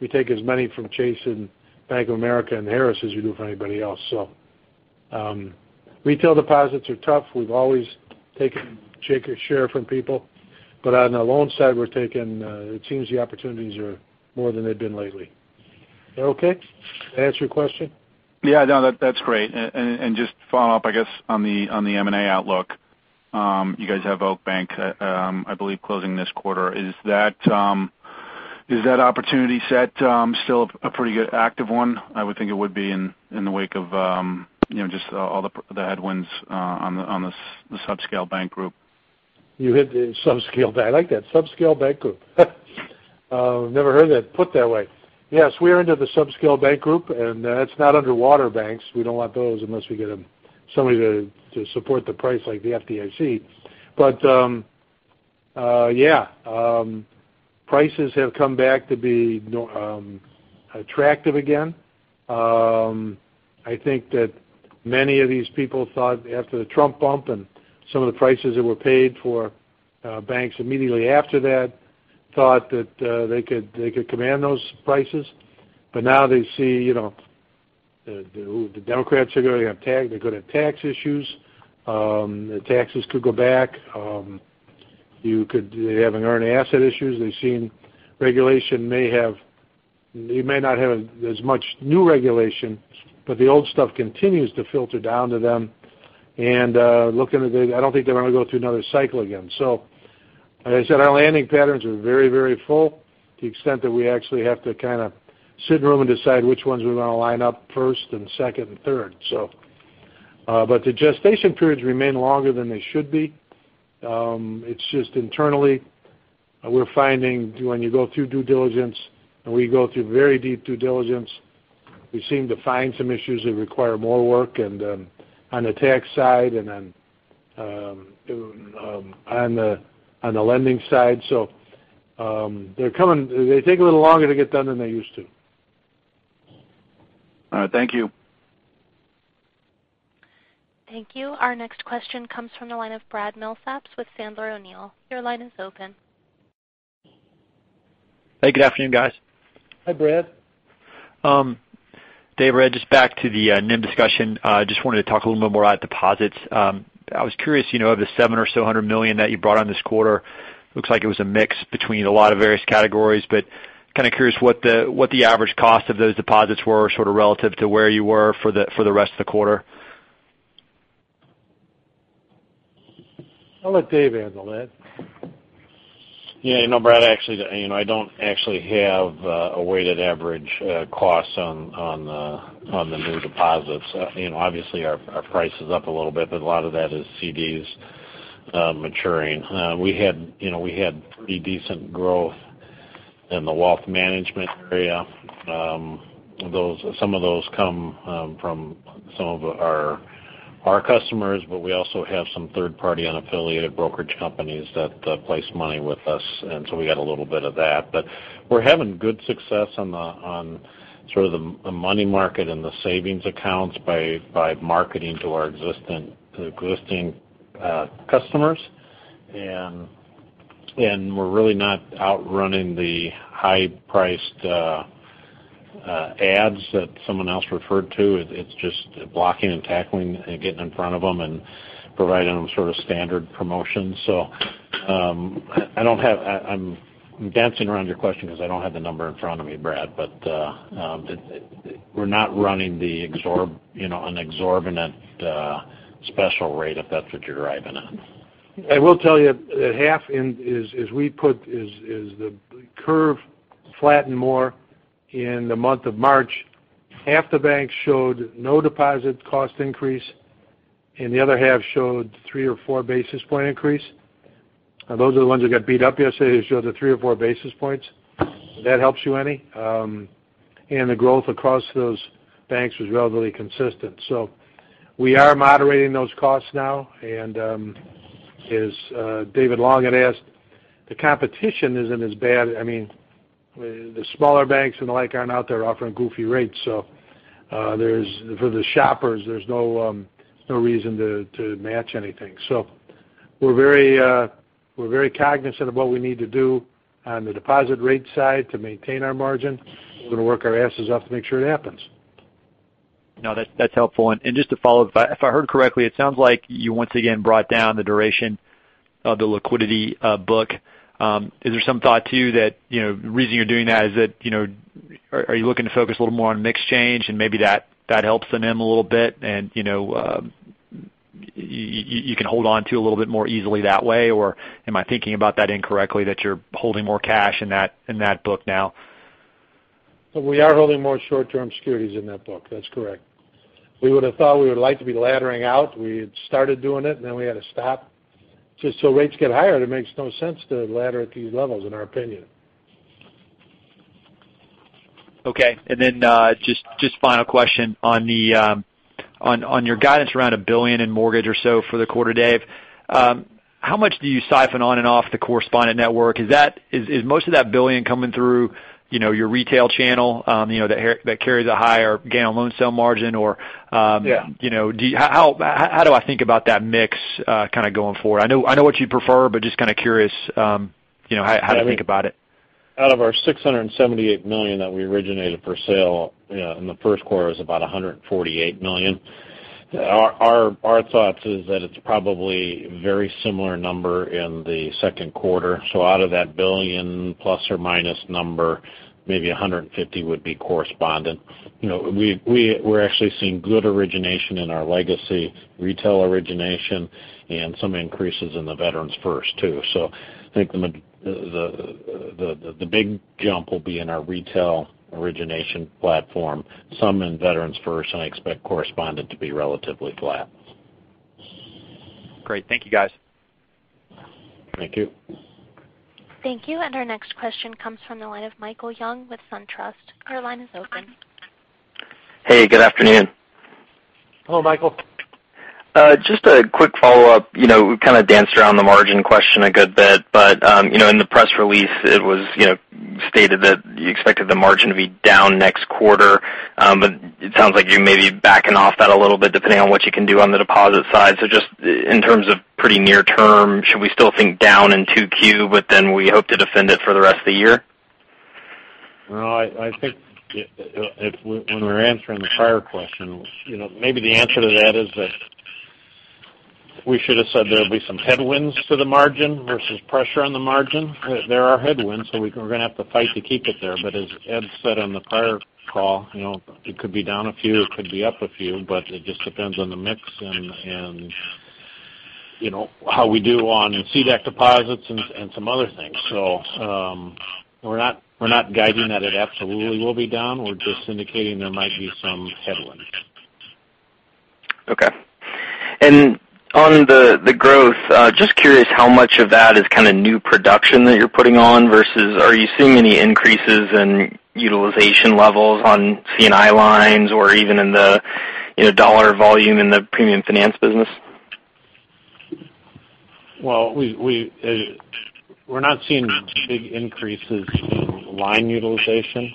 Speaker 2: we take as many from Chase and Bank of America and Harris as we do from anybody else. Retail deposits are tough. We've always taken shake a share from people, on the loan side, it seems the opportunities are more than they've been lately. That okay? That answer your question?
Speaker 6: Yeah. No, that's great. Just to follow up, I guess, on the M&A outlook. You guys have Oak Bank, I believe, closing this quarter. Is that opportunity set still a pretty good active one? I would think it would be in the wake of just all the headwinds on the subscale bank group.
Speaker 2: You hit the subscale bank. I like that. Subscale bank group. I've never heard that put that way. Yes, we are into the subscale bank group, and it's not underwater banks. We don't want those unless we get somebody to support the price, like the FDIC. Yeah. Prices have come back to be attractive again. I think that many of these people thought after the Trump bump and some of the prices that were paid for banks immediately after that, thought that they could command those prices. Now they see the Democrats are going to have tax issues. The taxes could go back. They have earn asset issues. They've seen regulation may not have as much new regulation, but the old stuff continues to filter down to them. Looking today, I don't think they want to go through another cycle again. As I said, our landing patterns are very, very full, to the extent that we actually have to kind of sit in a room and decide which ones we want to line up first and second and third. The gestation periods remain longer than they should be. It's just internally, we're finding when you go through due diligence, and we go through very deep due diligence, we seem to find some issues that require more work and on the tax side, and then on the lending side. They take a little longer to get done than they used to.
Speaker 6: All right. Thank you.
Speaker 1: Thank you. Our next question comes from the line of Brad Milsaps with Sandler O'Neill. Your line is open.
Speaker 7: Hey, good afternoon, guys.
Speaker 2: Hi, Brad.
Speaker 7: Dave, Ed, just back to the NIM discussion. I just wanted to talk a little bit more about deposits. I was curious, of the $700 million or so that you brought on this quarter, looks like it was a mix between a lot of various categories, but kind of curious what the average cost of those deposits were sort of relative to where you were for the rest of the quarter.
Speaker 2: I'll let Dave handle that.
Speaker 3: Yeah. Brad, actually, I don't actually have a weighted average cost on the new deposits. Obviously, our price is up a little bit, but a lot of that is CDs maturing. We had pretty decent growth in the wealth management area. Some of those come from some of our customers, but we also have some third-party unaffiliated brokerage companies that place money with us, and so we got a little bit of that. We're having good success on sort of the money market and the savings accounts by marketing to our existing customers. We're really not outrunning the high-priced ads that someone else referred to. It's just blocking and tackling and getting in front of them and providing them sort of standard promotions. I'm dancing around your question because I don't have the number in front of me, Brad, but we're not running an exorbitant special rate, if that's what you're driving at.
Speaker 2: I will tell you that In the month of March, half the banks showed no deposit cost increase, and the other half showed three or four basis point increase. Those are the ones that got beat up yesterday, showed the three or four basis points. If that helps you any. The growth across those banks was relatively consistent. We are moderating those costs now. As David Long had asked, the competition isn't as bad. The smaller banks and the like aren't out there offering goofy rates. For the shoppers, there's no reason to match anything. We're very cognizant of what we need to do on the deposit rate side to maintain our margin. We're going to work our asses off to make sure it happens.
Speaker 7: No, that's helpful. Just to follow, if I heard correctly, it sounds like you once again brought down the duration of the liquidity book. Is there some thought, too, that the reason you're doing that is that, are you looking to focus a little more on mix change and maybe that helps them in a little bit and you can hold on to a little bit more easily that way? Or am I thinking about that incorrectly, that you're holding more cash in that book now?
Speaker 2: We are holding more short-term securities in that book. That's correct. We would have thought we would like to be laddering out. We had started doing it, and then we had to stop. Just till rates get higher, it makes no sense to ladder at these levels, in our opinion.
Speaker 7: Just final question on your guidance around $1 billion in mortgage or so for the quarter, Dave. How much do you siphon on and off the correspondent network? Is most of that $1 billion coming through your retail channel that carries a higher gain on loan sale margin or-
Speaker 2: Yeah.
Speaker 7: How do I think about that mix kind of going forward? I know what you'd prefer, but just kind of curious how to think about it.
Speaker 3: Out of our $678 million that we originated for sale in the first quarter is about $148 million. Our thoughts is that it's probably very similar number in the second quarter. Out of that $1 billion plus or minus number, maybe $150 million would be correspondent. We're actually seeing good origination in our legacy retail origination and some increases in the Veterans First, too. I think the big jump will be in our retail origination platform, some in Veterans First, and I expect correspondent to be relatively flat.
Speaker 7: Great. Thank you guys.
Speaker 3: Thank you.
Speaker 1: Thank you. Our next question comes from the line of Michael Young with SunTrust. Your line is open.
Speaker 8: Hey, good afternoon.
Speaker 2: Hello, Michael.
Speaker 8: Just a quick follow-up. We kind of danced around the margin question a good bit. In the press release, it was stated that you expected the margin to be down next quarter. It sounds like you may be backing off that a little bit depending on what you can do on the deposit side. Just in terms of pretty near term, should we still think down in 2Q, but then we hope to defend it for the rest of the year?
Speaker 3: I think when we were answering the prior question, maybe the answer to that is that we should have said there'll be some headwinds to the margin versus pressure on the margin. There are headwinds, so we're going to have to fight to keep it there. As Ed said on the prior call, it could be down a few, it could be up a few, but it just depends on the mix and how we do on CDEC deposits and some other things. We're not guiding that it absolutely will be down. We're just indicating there might be some headwinds.
Speaker 8: Okay. On the growth, just curious how much of that is kind of new production that you're putting on versus are you seeing any increases in utilization levels on C&I lines or even in the dollar volume in the premium finance business?
Speaker 3: We're not seeing big increases in line utilization.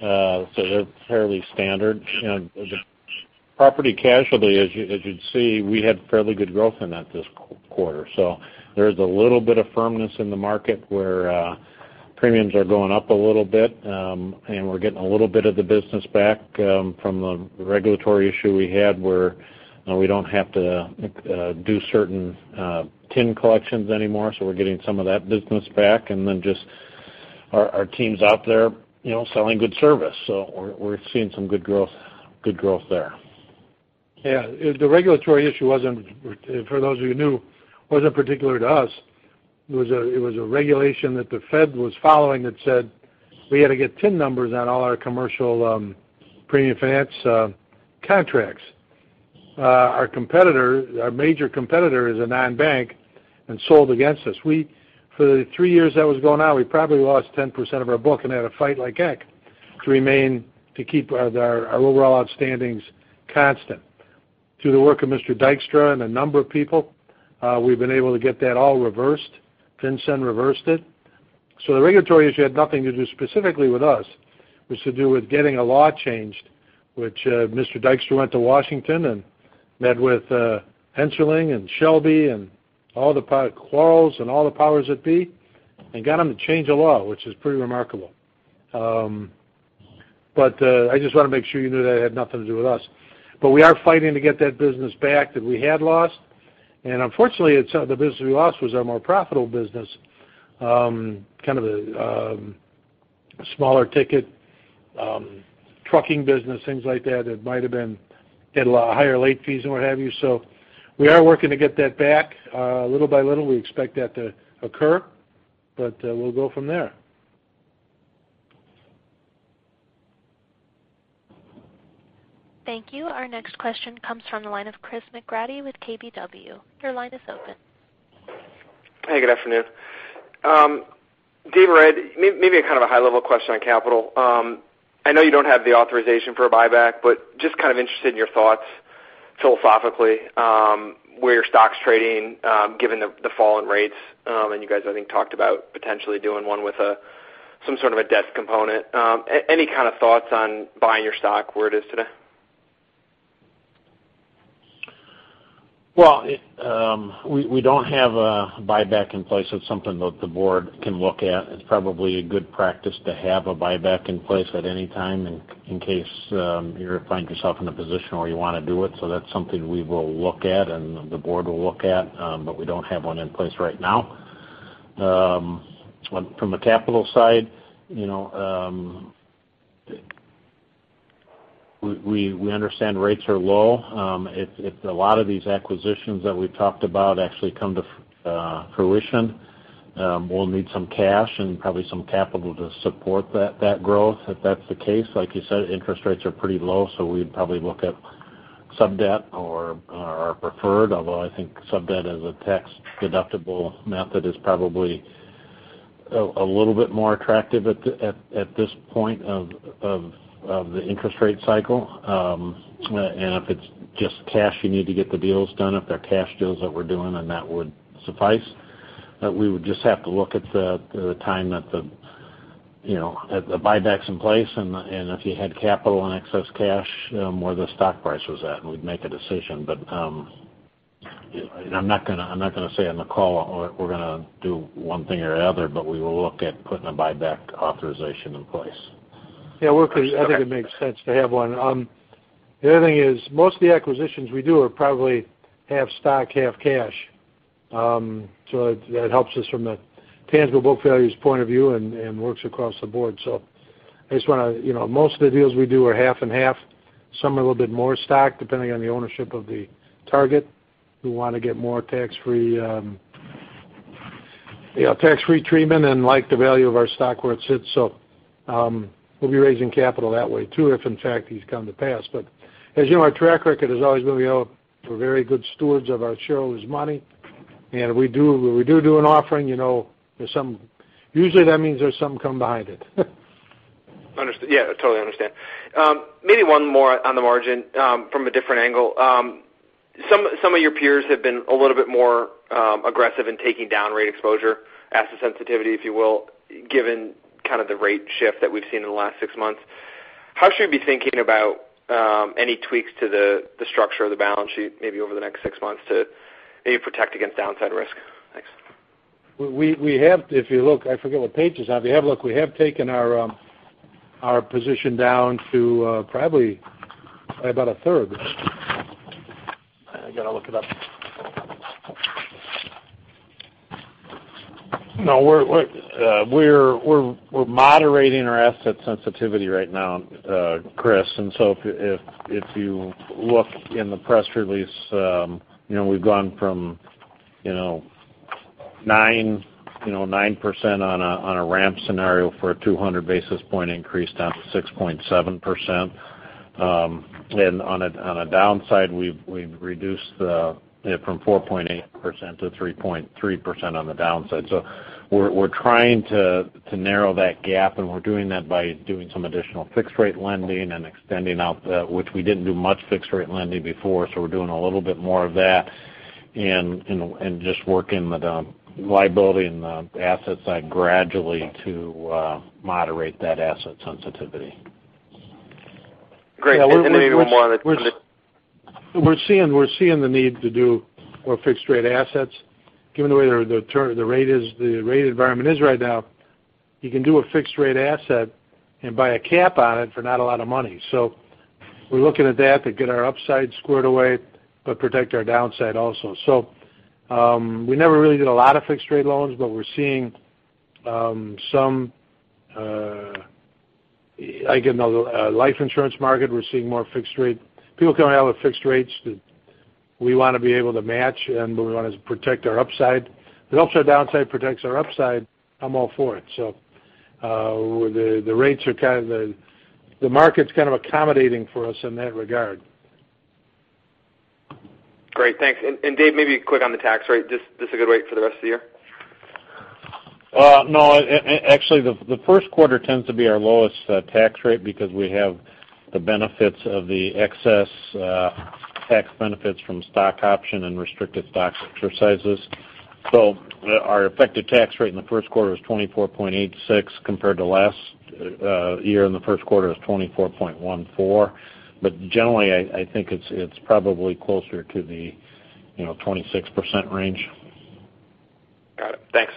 Speaker 3: They're fairly standard. Property casualty, as you'd see, we had fairly good growth in that this quarter. There's a little bit of firmness in the market where premiums are going up a little bit. We're getting a little bit of the business back from the regulatory issue we had where we don't have to do certain TIN collections anymore. We're getting some of that business back. Just our team's out there selling good service. We're seeing some good growth there.
Speaker 2: The regulatory issue, for those of you who knew, wasn't particular to us. It was a regulation that the Fed was following that said we had to get TIN numbers on all our commercial premium finance contracts. Our major competitor is a non-bank and sold against us. For the three years that was going on, we probably lost 10% of our book and had to fight like heck to keep our overall outstandings constant. Through the work of Mr. Dykstra and a number of people, we've been able to get that all reversed. FinCEN reversed it. The regulatory issue had nothing to do specifically with us. It was to do with getting a law changed, which Mr. Dykstra went to Washington and met with Hensarling and Shelby and all the Quarles and all the powers that be, got them to change a law, which is pretty remarkable. I just want to make sure you knew that had nothing to do with us. We are fighting to get that business back that we had lost. Unfortunately, the business we lost was our more profitable business. Kind of a smaller ticket trucking business, things like that. Get a lot of higher late fees and what have you. We are working to get that back. Little by little, we expect that to occur, we'll go from there.
Speaker 1: Thank you. Our next question comes from the line of Chris McGratty with KBW. Your line is open.
Speaker 9: Hey, good afternoon. Dave or Ed, maybe a kind of a high level question on capital. I know you don't have the authorization for a buyback, but just kind of interested in your thoughts philosophically, where your stock's trading given the fall in rates. You guys, I think, talked about potentially doing one with some sort of a debt component. Any kind of thoughts on buying your stock where it is today?
Speaker 3: Well, we don't have a buyback in place. It's something that the board can look at. It's probably a good practice to have a buyback in place at any time in case you find yourself in a position where you want to do it. That's something we will look at and the board will look at, but we don't have one in place right now. From a capital side, we understand rates are low. If a lot of these acquisitions that we've talked about actually come to fruition, we'll need some cash and probably some capital to support that growth. If that's the case, like you said, interest rates are pretty low, so we'd probably look at sub-debt or our preferred, although I think sub-debt as a tax-deductible method is probably a little bit more attractive at this point of the interest rate cycle. If it's just cash you need to get the deals done, if they're cash deals that we're doing, then that would suffice. We would just have to look at the time that the buyback's in place and if you had capital and excess cash, where the stock price was at, and we'd make a decision. I'm not going to say on the call we're going to do one thing or the other, but we will look at putting a buyback authorization in place. Yeah, I think it makes sense to have one. The other thing is, most of the acquisitions we do are probably half stock, half cash. That helps us from a tangible book value's point of view and works across the board. Most of the deals we do are half and half. Some are a little bit more stock, depending on the ownership of the target, who want to get more tax-free treatment and like the value of our stock where it sits. We'll be raising capital that way, too, if in fact these come to pass. As you know, our track record has always been we are very good stewards of our shareholders' money. If we do do an offering, usually that means there's something coming behind it.
Speaker 9: Understood. Yeah, totally understand. Maybe one more on the margin from a different angle. Some of your peers have been a little bit more aggressive in taking down rate exposure, asset sensitivity, if you will, given kind of the rate shift that we've seen in the last six months. How should we be thinking about any tweaks to the structure of the balance sheet, maybe over the next six months to maybe protect against downside risk? Thanks.
Speaker 3: If you look, I forget what page it's on. If you have a look, we have taken our position down to probably about a third. I got to look it up. No, we're moderating our asset sensitivity right now, Chris. If you look in the press release, we've gone from 9% on a ramp scenario for a 200 basis point increase, down to 6.7%. On a downside, we've reduced it from 4.8% to 3.3% on the downside. We're trying to narrow that gap, and we're doing that by doing some additional fixed-rate lending and extending out which we didn't do much fixed-rate lending before. We're doing a little bit more of that and just working with the liability and the asset side gradually to moderate that asset sensitivity.
Speaker 9: Great. Maybe one more on the.
Speaker 3: We're seeing the need to do more fixed-rate assets. Given the way the rate environment is right now, you can do a fixed-rate asset and buy a cap on it for not a lot of money. We're looking at that to get our upside squared away, but protect our downside also. We never really did a lot of fixed-rate loans, but we're seeing some Like in the life insurance market, we're seeing more fixed rate. People coming out with fixed rates that we want to be able to match, and we want to protect our upside. If the upside protects our downside, I'm all for it. The market's kind of accommodating for us in that regard.
Speaker 9: Great. Thanks. Dave, maybe quick on the tax rate. Just a good rate for the rest of the year?
Speaker 3: No, actually, the first quarter tends to be our lowest tax rate because we have the benefits of the excess tax benefits from stock option and restricted stock exercises. Our effective tax rate in the first quarter was 24.86%, compared to last year in the first quarter was 24.14%. Generally, I think it's probably closer to the 26% range.
Speaker 9: Got it. Thanks.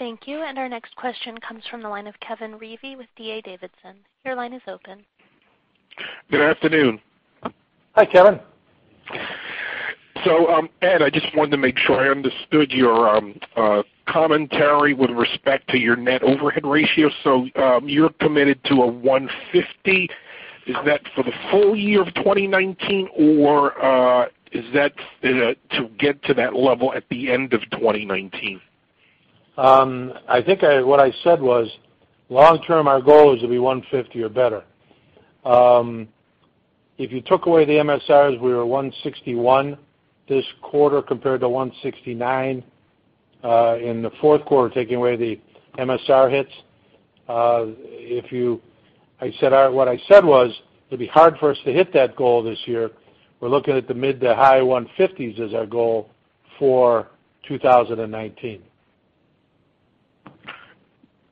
Speaker 1: Thank you. Our next question comes from the line of Kevin Reevey with D.A. Davidson. Your line is open.
Speaker 10: Good afternoon.
Speaker 3: Hi, Kevin.
Speaker 10: Ed, I just wanted to make sure I understood your commentary with respect to your net overhead ratio. You're committed to a 150. Is that for the full year of 2019, or is that to get to that level at the end of 2019?
Speaker 2: I think what I said was, long-term, our goal is to be 150 or better. If you took away the MSRs, we were 161 this quarter compared to 169 in the fourth quarter, taking away the MSR hits. What I said was, it'd be hard for us to hit that goal this year. We're looking at the mid to high 150s as our goal for 2019.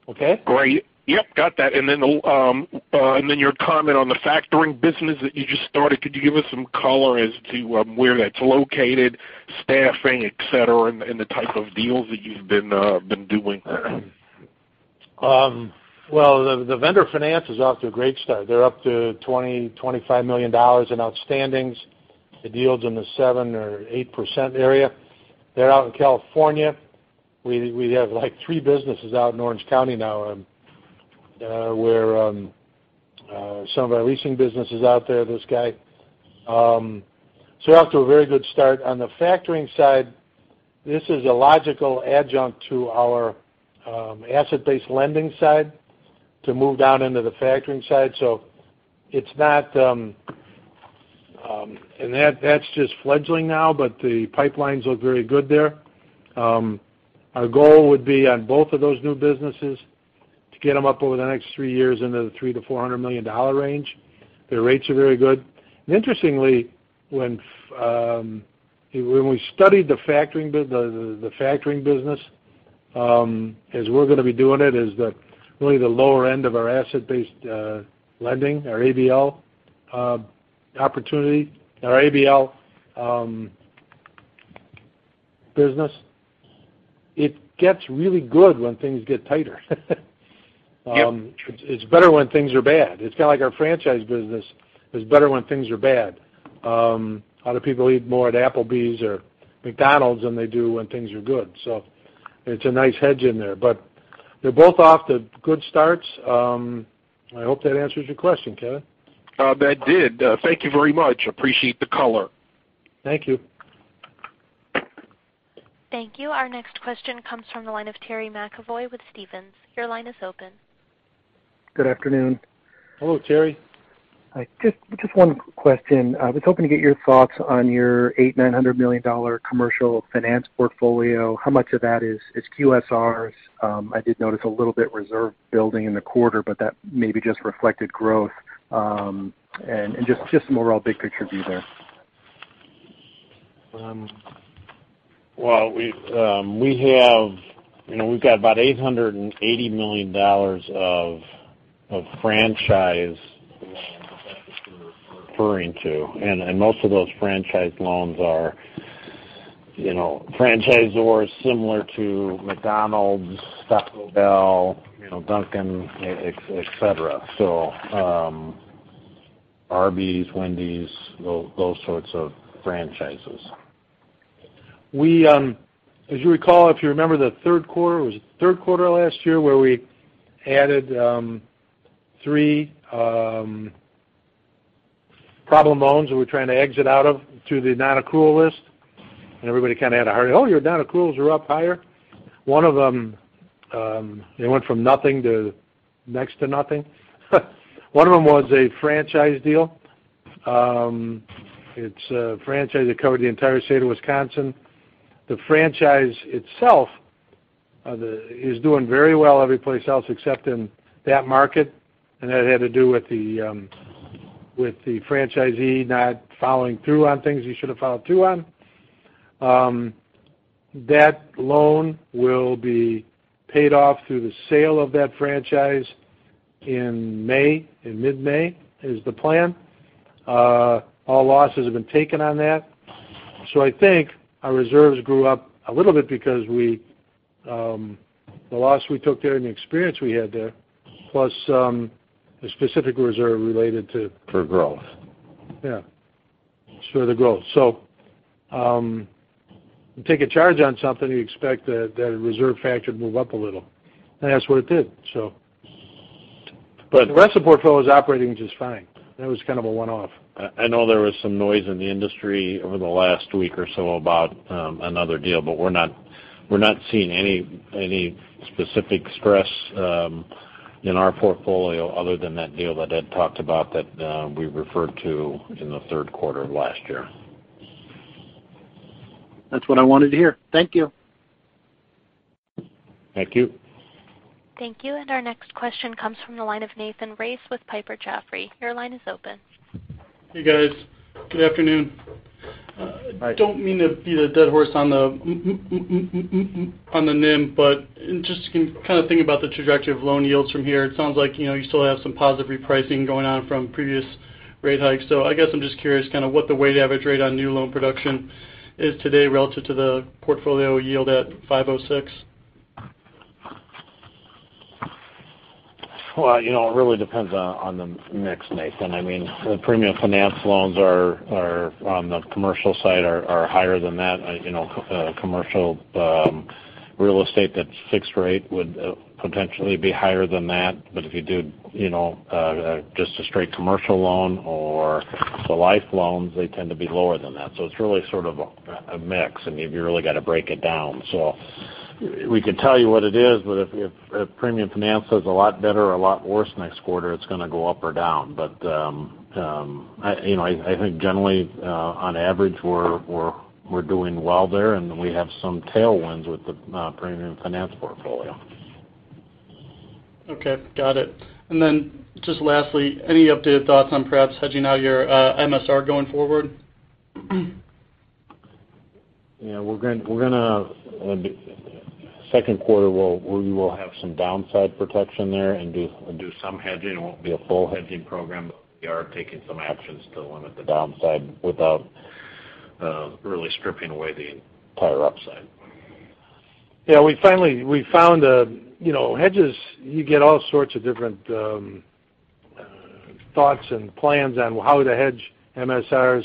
Speaker 2: Okay?
Speaker 10: Great. Yep, got that. Then your comment on the factoring business that you just started, could you give us some color as to where that's located, staffing, et cetera, and the type of deals that you've been doing?
Speaker 2: Well, the vendor finance is off to a great start. They're up to $20 million-$25 million in outstandings. The deal's in the 7%-8% area. They're out in California. We have three businesses out in Orange County now, where some of our leasing business is out there, this guy. We're off to a very good start. On the factoring side, this is a logical adjunct to our asset-based lending side to move down into the factoring side. That's just fledgling now, but the pipelines look very good there. Our goal would be on both of those new businesses to get them up over the next 3 years into the $300 million-$400 million range. Their rates are very good. Interestingly, when we studied the factoring business, as we're going to be doing it, is really the lower end of our asset-based lending, our ABL business. It gets really good when things get tighter.
Speaker 10: Yep.
Speaker 2: It's better when things are bad. It's kind of like our franchise business is better when things are bad. A lot of people eat more at Applebee's or McDonald's than they do when things are good. It's a nice hedge in there. They're both off to good starts. I hope that answers your question, Kevin.
Speaker 10: That did. Thank you very much. Appreciate the color.
Speaker 2: Thank you.
Speaker 1: Thank you. Our next question comes from the line of Terry McEvoy with Stephens. Your line is open.
Speaker 11: Good afternoon.
Speaker 2: Hello, Terry.
Speaker 11: Hi. Just one question. I was hoping to get your thoughts on your $800 million-$900 million commercial finance portfolio. How much of that is QSRs? I did notice a little bit reserve building in the quarter, but that maybe just reflected growth. Just some overall big picture view there.
Speaker 2: Well, we've got about $880 million of franchise loans, if that's what you're referring to. Most of those franchise loans are franchisors similar to McDonald's, Taco Bell, Dunkin', et cetera. Arby's, Wendy's, those sorts of franchises. As you recall, if you remember the third quarter, was it third quarter last year where we added three problem loans that we're trying to exit out of to the non-accrual list, and everybody kind of had a hurry, "Oh, your non-accruals are up higher." They went from nothing to next to nothing. One of them was a franchise deal. It's a franchise that covered the entire state of Wisconsin. The franchise itself is doing very well every place else except in that market, and that had to do with the franchisee not following through on things he should have followed through on. That loan will be paid off through the sale of that franchise in mid-May, is the plan. All losses have been taken on that. I think our reserves grew up a little bit because the loss we took there and the experience we had there, plus a specific reserve.
Speaker 3: For growth.
Speaker 2: Yeah. It's for the growth. You take a charge on something, you expect that a reserve factor would move up a little. That's what it did. The rest of the portfolio is operating just fine. That was kind of a one-off.
Speaker 3: I know there was some noise in the industry over the last week or so about another deal, we're not seeing any specific stress in our portfolio other than that deal that Ed talked about that we referred to in the third quarter of last year.
Speaker 11: That's what I wanted to hear. Thank you.
Speaker 1: Thank you. Thank you. Our next question comes from the line of Nathan Race with Piper Jaffray. Your line is open.
Speaker 12: Hey, guys. Good afternoon.
Speaker 2: Hi.
Speaker 12: I don't mean to beat a dead horse on the NIM, just kind of thinking about the trajectory of loan yields from here, it sounds like you still have some positive repricing going on from previous rate hikes. I guess I'm just curious what the weighted average rate on new loan production is today relative to the portfolio yield at 5.06%.
Speaker 3: Well, it really depends on the mix, Nathan. The premium finance loans on the commercial side are higher than that. Commercial real estate that's fixed rate would potentially be higher than that. If you did just a straight commercial loan or the life loans, they tend to be lower than that. It's really sort of a mix, and you've really got to break it down. We could tell you what it is, if premium finance is a lot better or a lot worse next quarter, it's going to go up or down. I think generally, on average, we're doing well there, and we have some tailwinds with the premium finance portfolio.
Speaker 12: Okay. Got it. Then just lastly, any updated thoughts on perhaps hedging out your MSR going forward?
Speaker 3: Yeah. Second quarter, we will have some downside protection there and do some hedging. It won't be a full hedging program, we are taking some actions to limit the downside without really stripping away the entire upside. Yeah. We found hedges, you get all sorts of different thoughts and plans on how to hedge MSRs,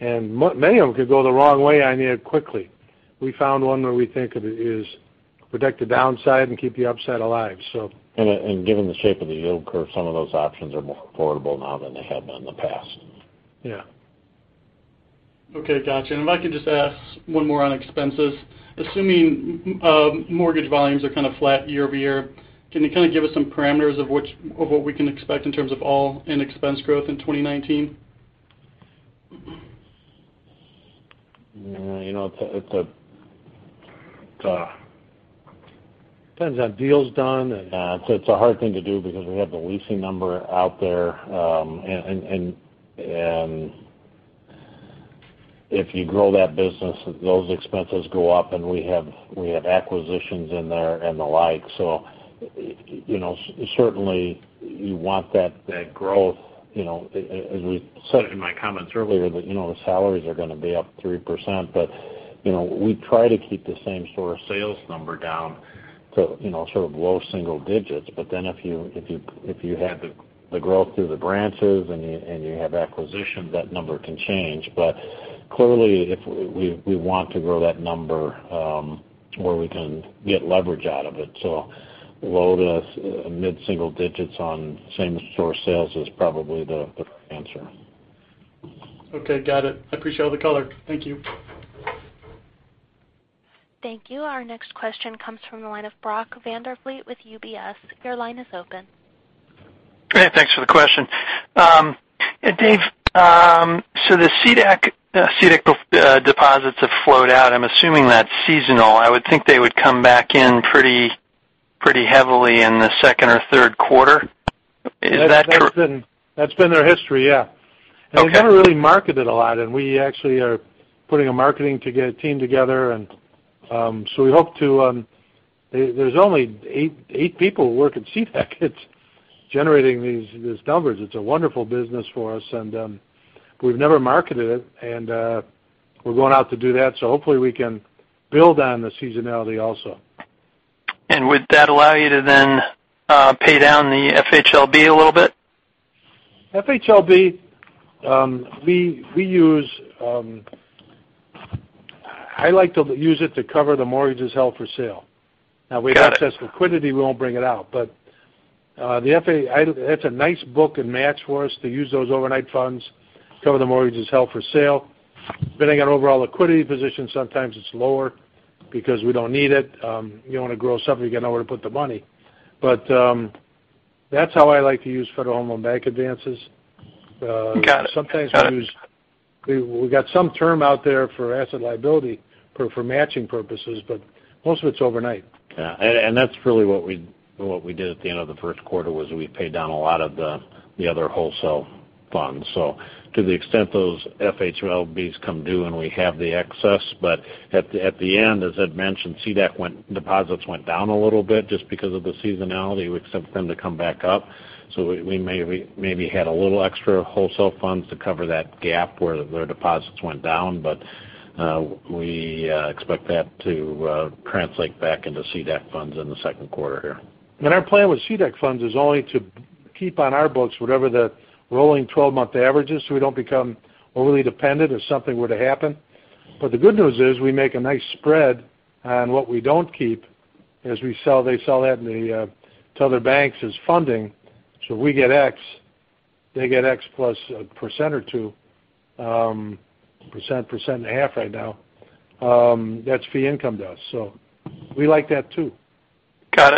Speaker 3: many of them could go the wrong way on you quickly. We found one where we think it is protect the downside and keep the upside alive. Given the shape of the yield curve, some of those options are more affordable now than they have been in the past. Yeah.
Speaker 12: Okay, got you. If I could just ask one more on expenses. Assuming mortgage volumes are kind of flat year-over-year, can you kind of give us some parameters of what we can expect in terms of all in expense growth in 2019?
Speaker 3: It depends on deals done, it's a hard thing to do because we have the leasing number out there. If you grow that business, those expenses go up, and we have acquisitions in there and the like. Certainly, you want that growth. As I said in my comments earlier, the salaries are going to be up 3%, we try to keep the same store sales number down to sort of low single digits. If you have the growth through the branches and you have acquisitions, that number can change. Clearly, we want to grow that number where we can get leverage out of it. Low to mid single digits on same store sales is probably the answer.
Speaker 12: Okay, got it. I appreciate all the color. Thank you.
Speaker 1: Thank you. Our next question comes from the line of Brock Vandervliet with UBS. Your line is open.
Speaker 13: Great. Thanks for the question. Dave, the CDEC deposits have flowed out. I'm assuming that's seasonal. I would think they would come back in pretty heavily in the second or third quarter. Is that correct?
Speaker 3: That's been their history, yeah.
Speaker 13: Okay.
Speaker 3: We never really marketed a lot, and we actually are putting a marketing team together. There's only eight people who work in CDEC generating these numbers. It's a wonderful business for us, and we've never marketed it. We're going out to do that. Hopefully we can build on the seasonality also.
Speaker 13: Would that allow you to then pay down the FHLB a little bit?
Speaker 3: FHLB, I like to use it to cover the mortgages held for sale.
Speaker 13: Got it.
Speaker 3: If we have excess liquidity, we won't bring it out. It's a nice book and match for us to use those overnight funds to cover the mortgages held for sale. Depending on overall liquidity position, sometimes it's lower because we don't need it. You don't want to grow something if you got nowhere to put the money. That's how I like to use Federal Home Loan Bank advances.
Speaker 13: Got it.
Speaker 3: Sometimes we got some term out there for asset liability for matching purposes, but most of it's overnight. Yeah. That's really what we did at the end of the first quarter, was we paid down a lot of the other wholesale funds. To the extent those FHLBs come due, and we have the excess. At the end, as I'd mentioned, CDEC deposits went down a little bit just because of the seasonality. We expect them to come back up. We maybe had a little extra wholesale funds to cover that gap where their deposits went down. We expect that to translate back into CDEC funds in the second quarter here. Our plan with CDEC funds is only to keep on our books whatever the rolling 12-month average is, so we don't become overly dependent if something were to happen. The good news is we make a nice spread on what we don't keep as they sell that to other banks as funding. We get X, they get X plus a percent or two, percent and a half right now. That's fee income to us. We like that, too.
Speaker 13: Got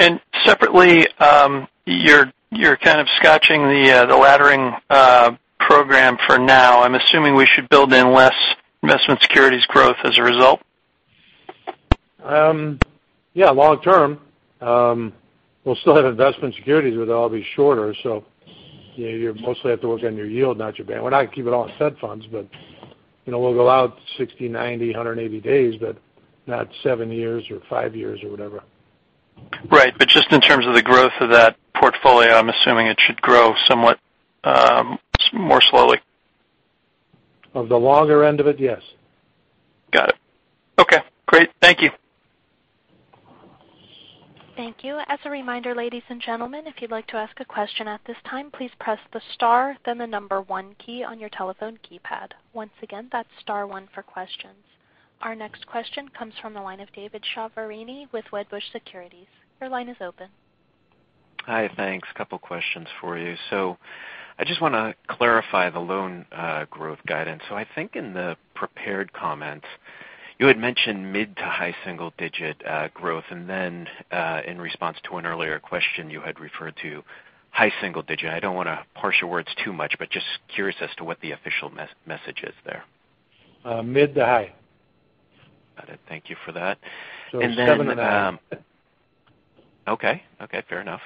Speaker 13: it. Separately, you're kind of scotching the laddering program for now. I'm assuming we should build in less investment securities growth as a result?
Speaker 3: Yeah, long term. We'll still have investment securities, but they'll all be shorter. You mostly have to work on your yield, not your. We're not going to keep it all in Fed funds, but we'll go out 60, 90, 180 days, but not seven years or five years or whatever.
Speaker 13: Right. Just in terms of the growth of that portfolio, I'm assuming it should grow somewhat more slowly.
Speaker 3: Of the longer end of it, yes.
Speaker 13: Got it.
Speaker 3: Thank you.
Speaker 1: Thank you. As a reminder, ladies and gentlemen, if you'd like to ask a question at this time, please press the star then the number 1 key on your telephone keypad. Once again, that's star 1 for questions. Our next question comes from the line of David Chiaverini with Wedbush Securities. Your line is open.
Speaker 14: Hi, thanks. Couple questions for you. I just want to clarify the loan growth guidance. I think in the prepared comments, you had mentioned mid to high single-digit growth, and then in response to an earlier question, you had referred to high single digit. I don't want to parse your words too much, but just curious as to what the official message is there.
Speaker 3: Mid to high.
Speaker 14: Got it. Thank you for that.
Speaker 3: It's seven and a half.
Speaker 14: Okay. Fair enough.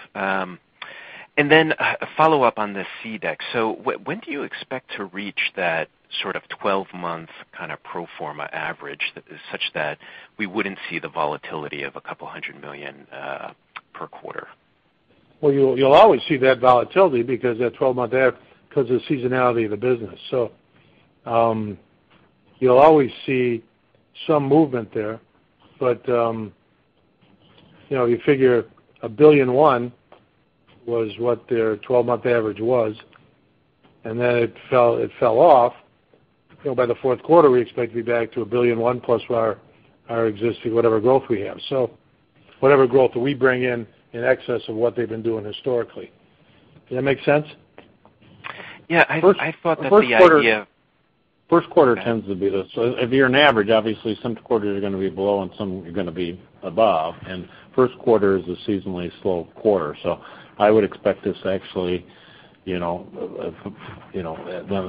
Speaker 14: Then a follow-up on the CDEC. When do you expect to reach that sort of 12-month kind of pro forma average that is such that we wouldn't see the volatility of a $200 million per quarter?
Speaker 3: Well, you'll always see that volatility because of the seasonality of the business. You'll always see some movement there. You figure $1.1 billion was what their 12-month average was, then it fell off. By the fourth quarter, we expect to be back to $1.1 billion plus our existing, whatever growth we have. Whatever growth we bring in in excess of what they've been doing historically. Does that make sense?
Speaker 14: Yeah. I thought that the idea-
Speaker 3: First quarter tends to be this. If you're an average, obviously some quarters are going to be below and some are going to be above, and first quarter is a seasonally slow quarter. I would expect this actually.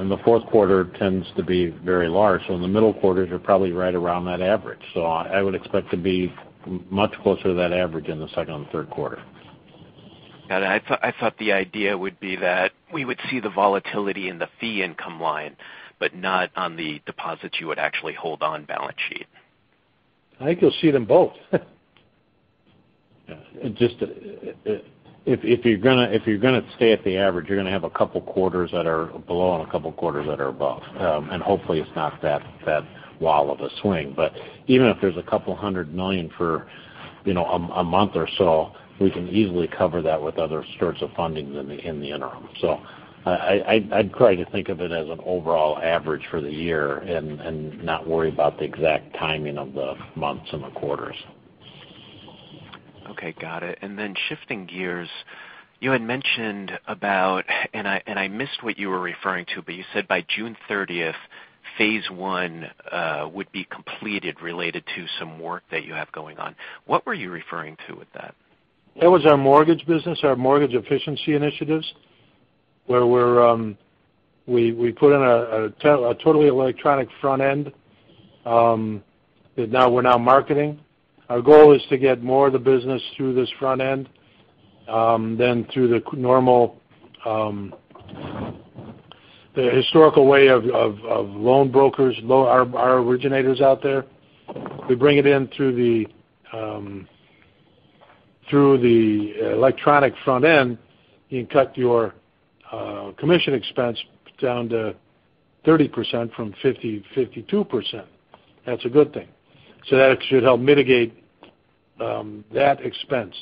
Speaker 3: The fourth quarter tends to be very large. The middle quarters are probably right around that average. I would expect to be much closer to that average in the second or third quarter.
Speaker 14: Got it. I thought the idea would be that we would see the volatility in the fee income line, but not on the deposits you would actually hold on balance sheet.
Speaker 3: I think you'll see them both. Yeah. If you're going to stay at the average, you're going to have a couple quarters that are below and a couple quarters that are above. Hopefully it's not that wall of a swing. Even if there's a couple hundred million for a month or so, we can easily cover that with other sorts of funding in the interim. I'd try to think of it as an overall average for the year and not worry about the exact timing of the months and the quarters.
Speaker 14: Okay, got it. Then shifting gears, you had mentioned about, and I missed what you were referring to, but you said by June 30th, phase 1 would be completed related to some work that you have going on. What were you referring to with that?
Speaker 3: That was our mortgage business, our mortgage efficiency initiatives, where we put in a totally electronic front end that we're now marketing. Our goal is to get more of the business through this front end than through the historical way of loan brokers, our originators out there. We bring it in through the electronic front end. You can cut your commission expense down to 30% from 50%, 52%. That's a good thing. That should help mitigate that expense.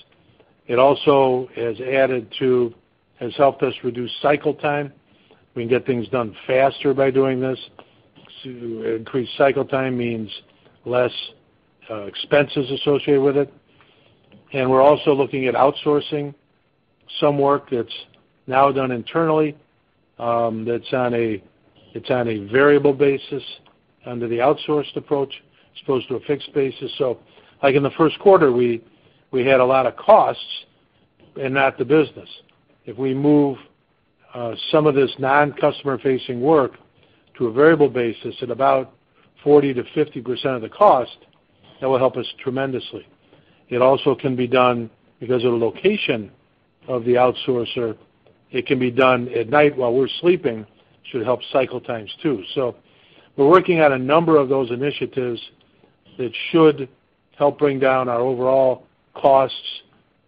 Speaker 3: It also has helped us reduce cycle time. We can get things done faster by doing this. Increased cycle time means less expenses associated with it. We're also looking at outsourcing some work that's now done internally, that's on a variable basis under the outsourced approach as opposed to a fixed basis. Like in the first quarter, we had a lot of costs and not the business. If we move some of this non-customer facing work to a variable basis at about 40%-50% of the cost, that will help us tremendously. It also can be done because of the location of the outsourcer. It can be done at night while we're sleeping. It should help cycle times, too. We're working on a number of those initiatives that should help bring down our overall costs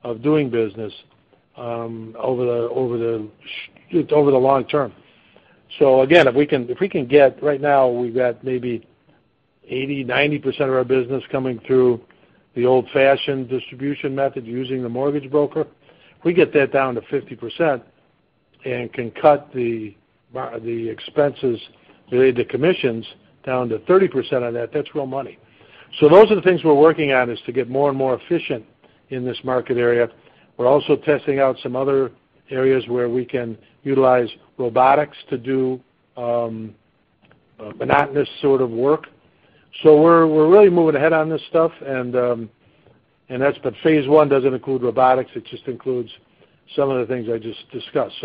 Speaker 3: of doing business over the long term. Again, right now we've got maybe 80%-90% of our business coming through the old-fashioned distribution method using the mortgage broker. If we get that down to 50% and can cut the expenses related to commissions down to 30% on that's real money. Those are the things we're working on, is to get more and more efficient in this market area. We're also testing out some other areas where we can utilize robotics to do monotonous sort of work. We're really moving ahead on this stuff. Phase one doesn't include robotics. It just includes some of the things I just discussed.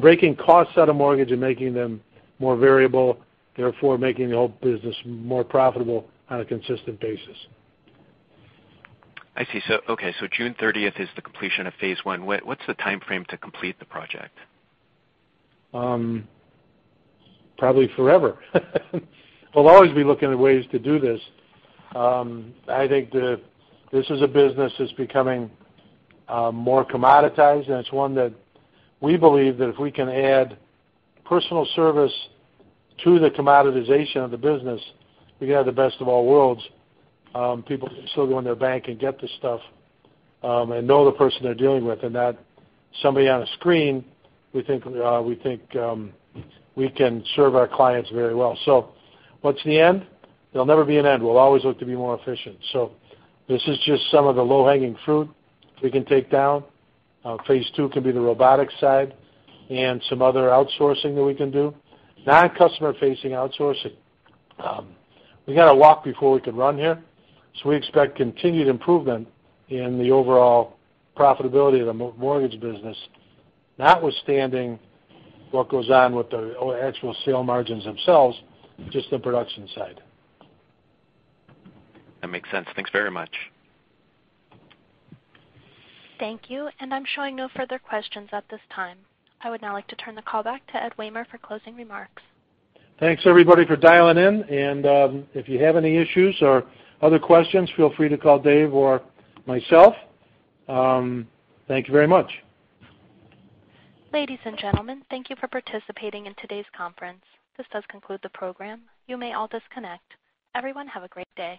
Speaker 3: Breaking costs out of mortgage and making them more variable, therefore making the whole business more profitable on a consistent basis.
Speaker 14: I see. June 30th is the completion of phase one. What's the timeframe to complete the project?
Speaker 3: Probably forever. We'll always be looking at ways to do this. I think that this is a business that's becoming more commoditized, and it's one that we believe that if we can add personal service to the commoditization of the business, we can have the best of all worlds. People can still go in their bank and get the stuff, and know the person they're dealing with and not somebody on a screen. We think we can serve our clients very well. What's the end? There'll never be an end. We'll always look to be more efficient. This is just some of the low-hanging fruit we can take down. Phase 2 can be the robotics side and some other outsourcing that we can do. Non-customer facing outsourcing. We got to walk before we can run here. We expect continued improvement in the overall profitability of the mortgage business, notwithstanding what goes on with the actual sale margins themselves, just the production side.
Speaker 14: That makes sense. Thanks very much.
Speaker 1: Thank you. I'm showing no further questions at this time. I would now like to turn the call back to Ed Wehmer for closing remarks.
Speaker 2: Thanks, everybody, for dialing in. If you have any issues or other questions, feel free to call Dave or myself. Thank you very much.
Speaker 1: Ladies and gentlemen, thank you for participating in today's conference. This does conclude the program. You may all disconnect. Everyone have a great day.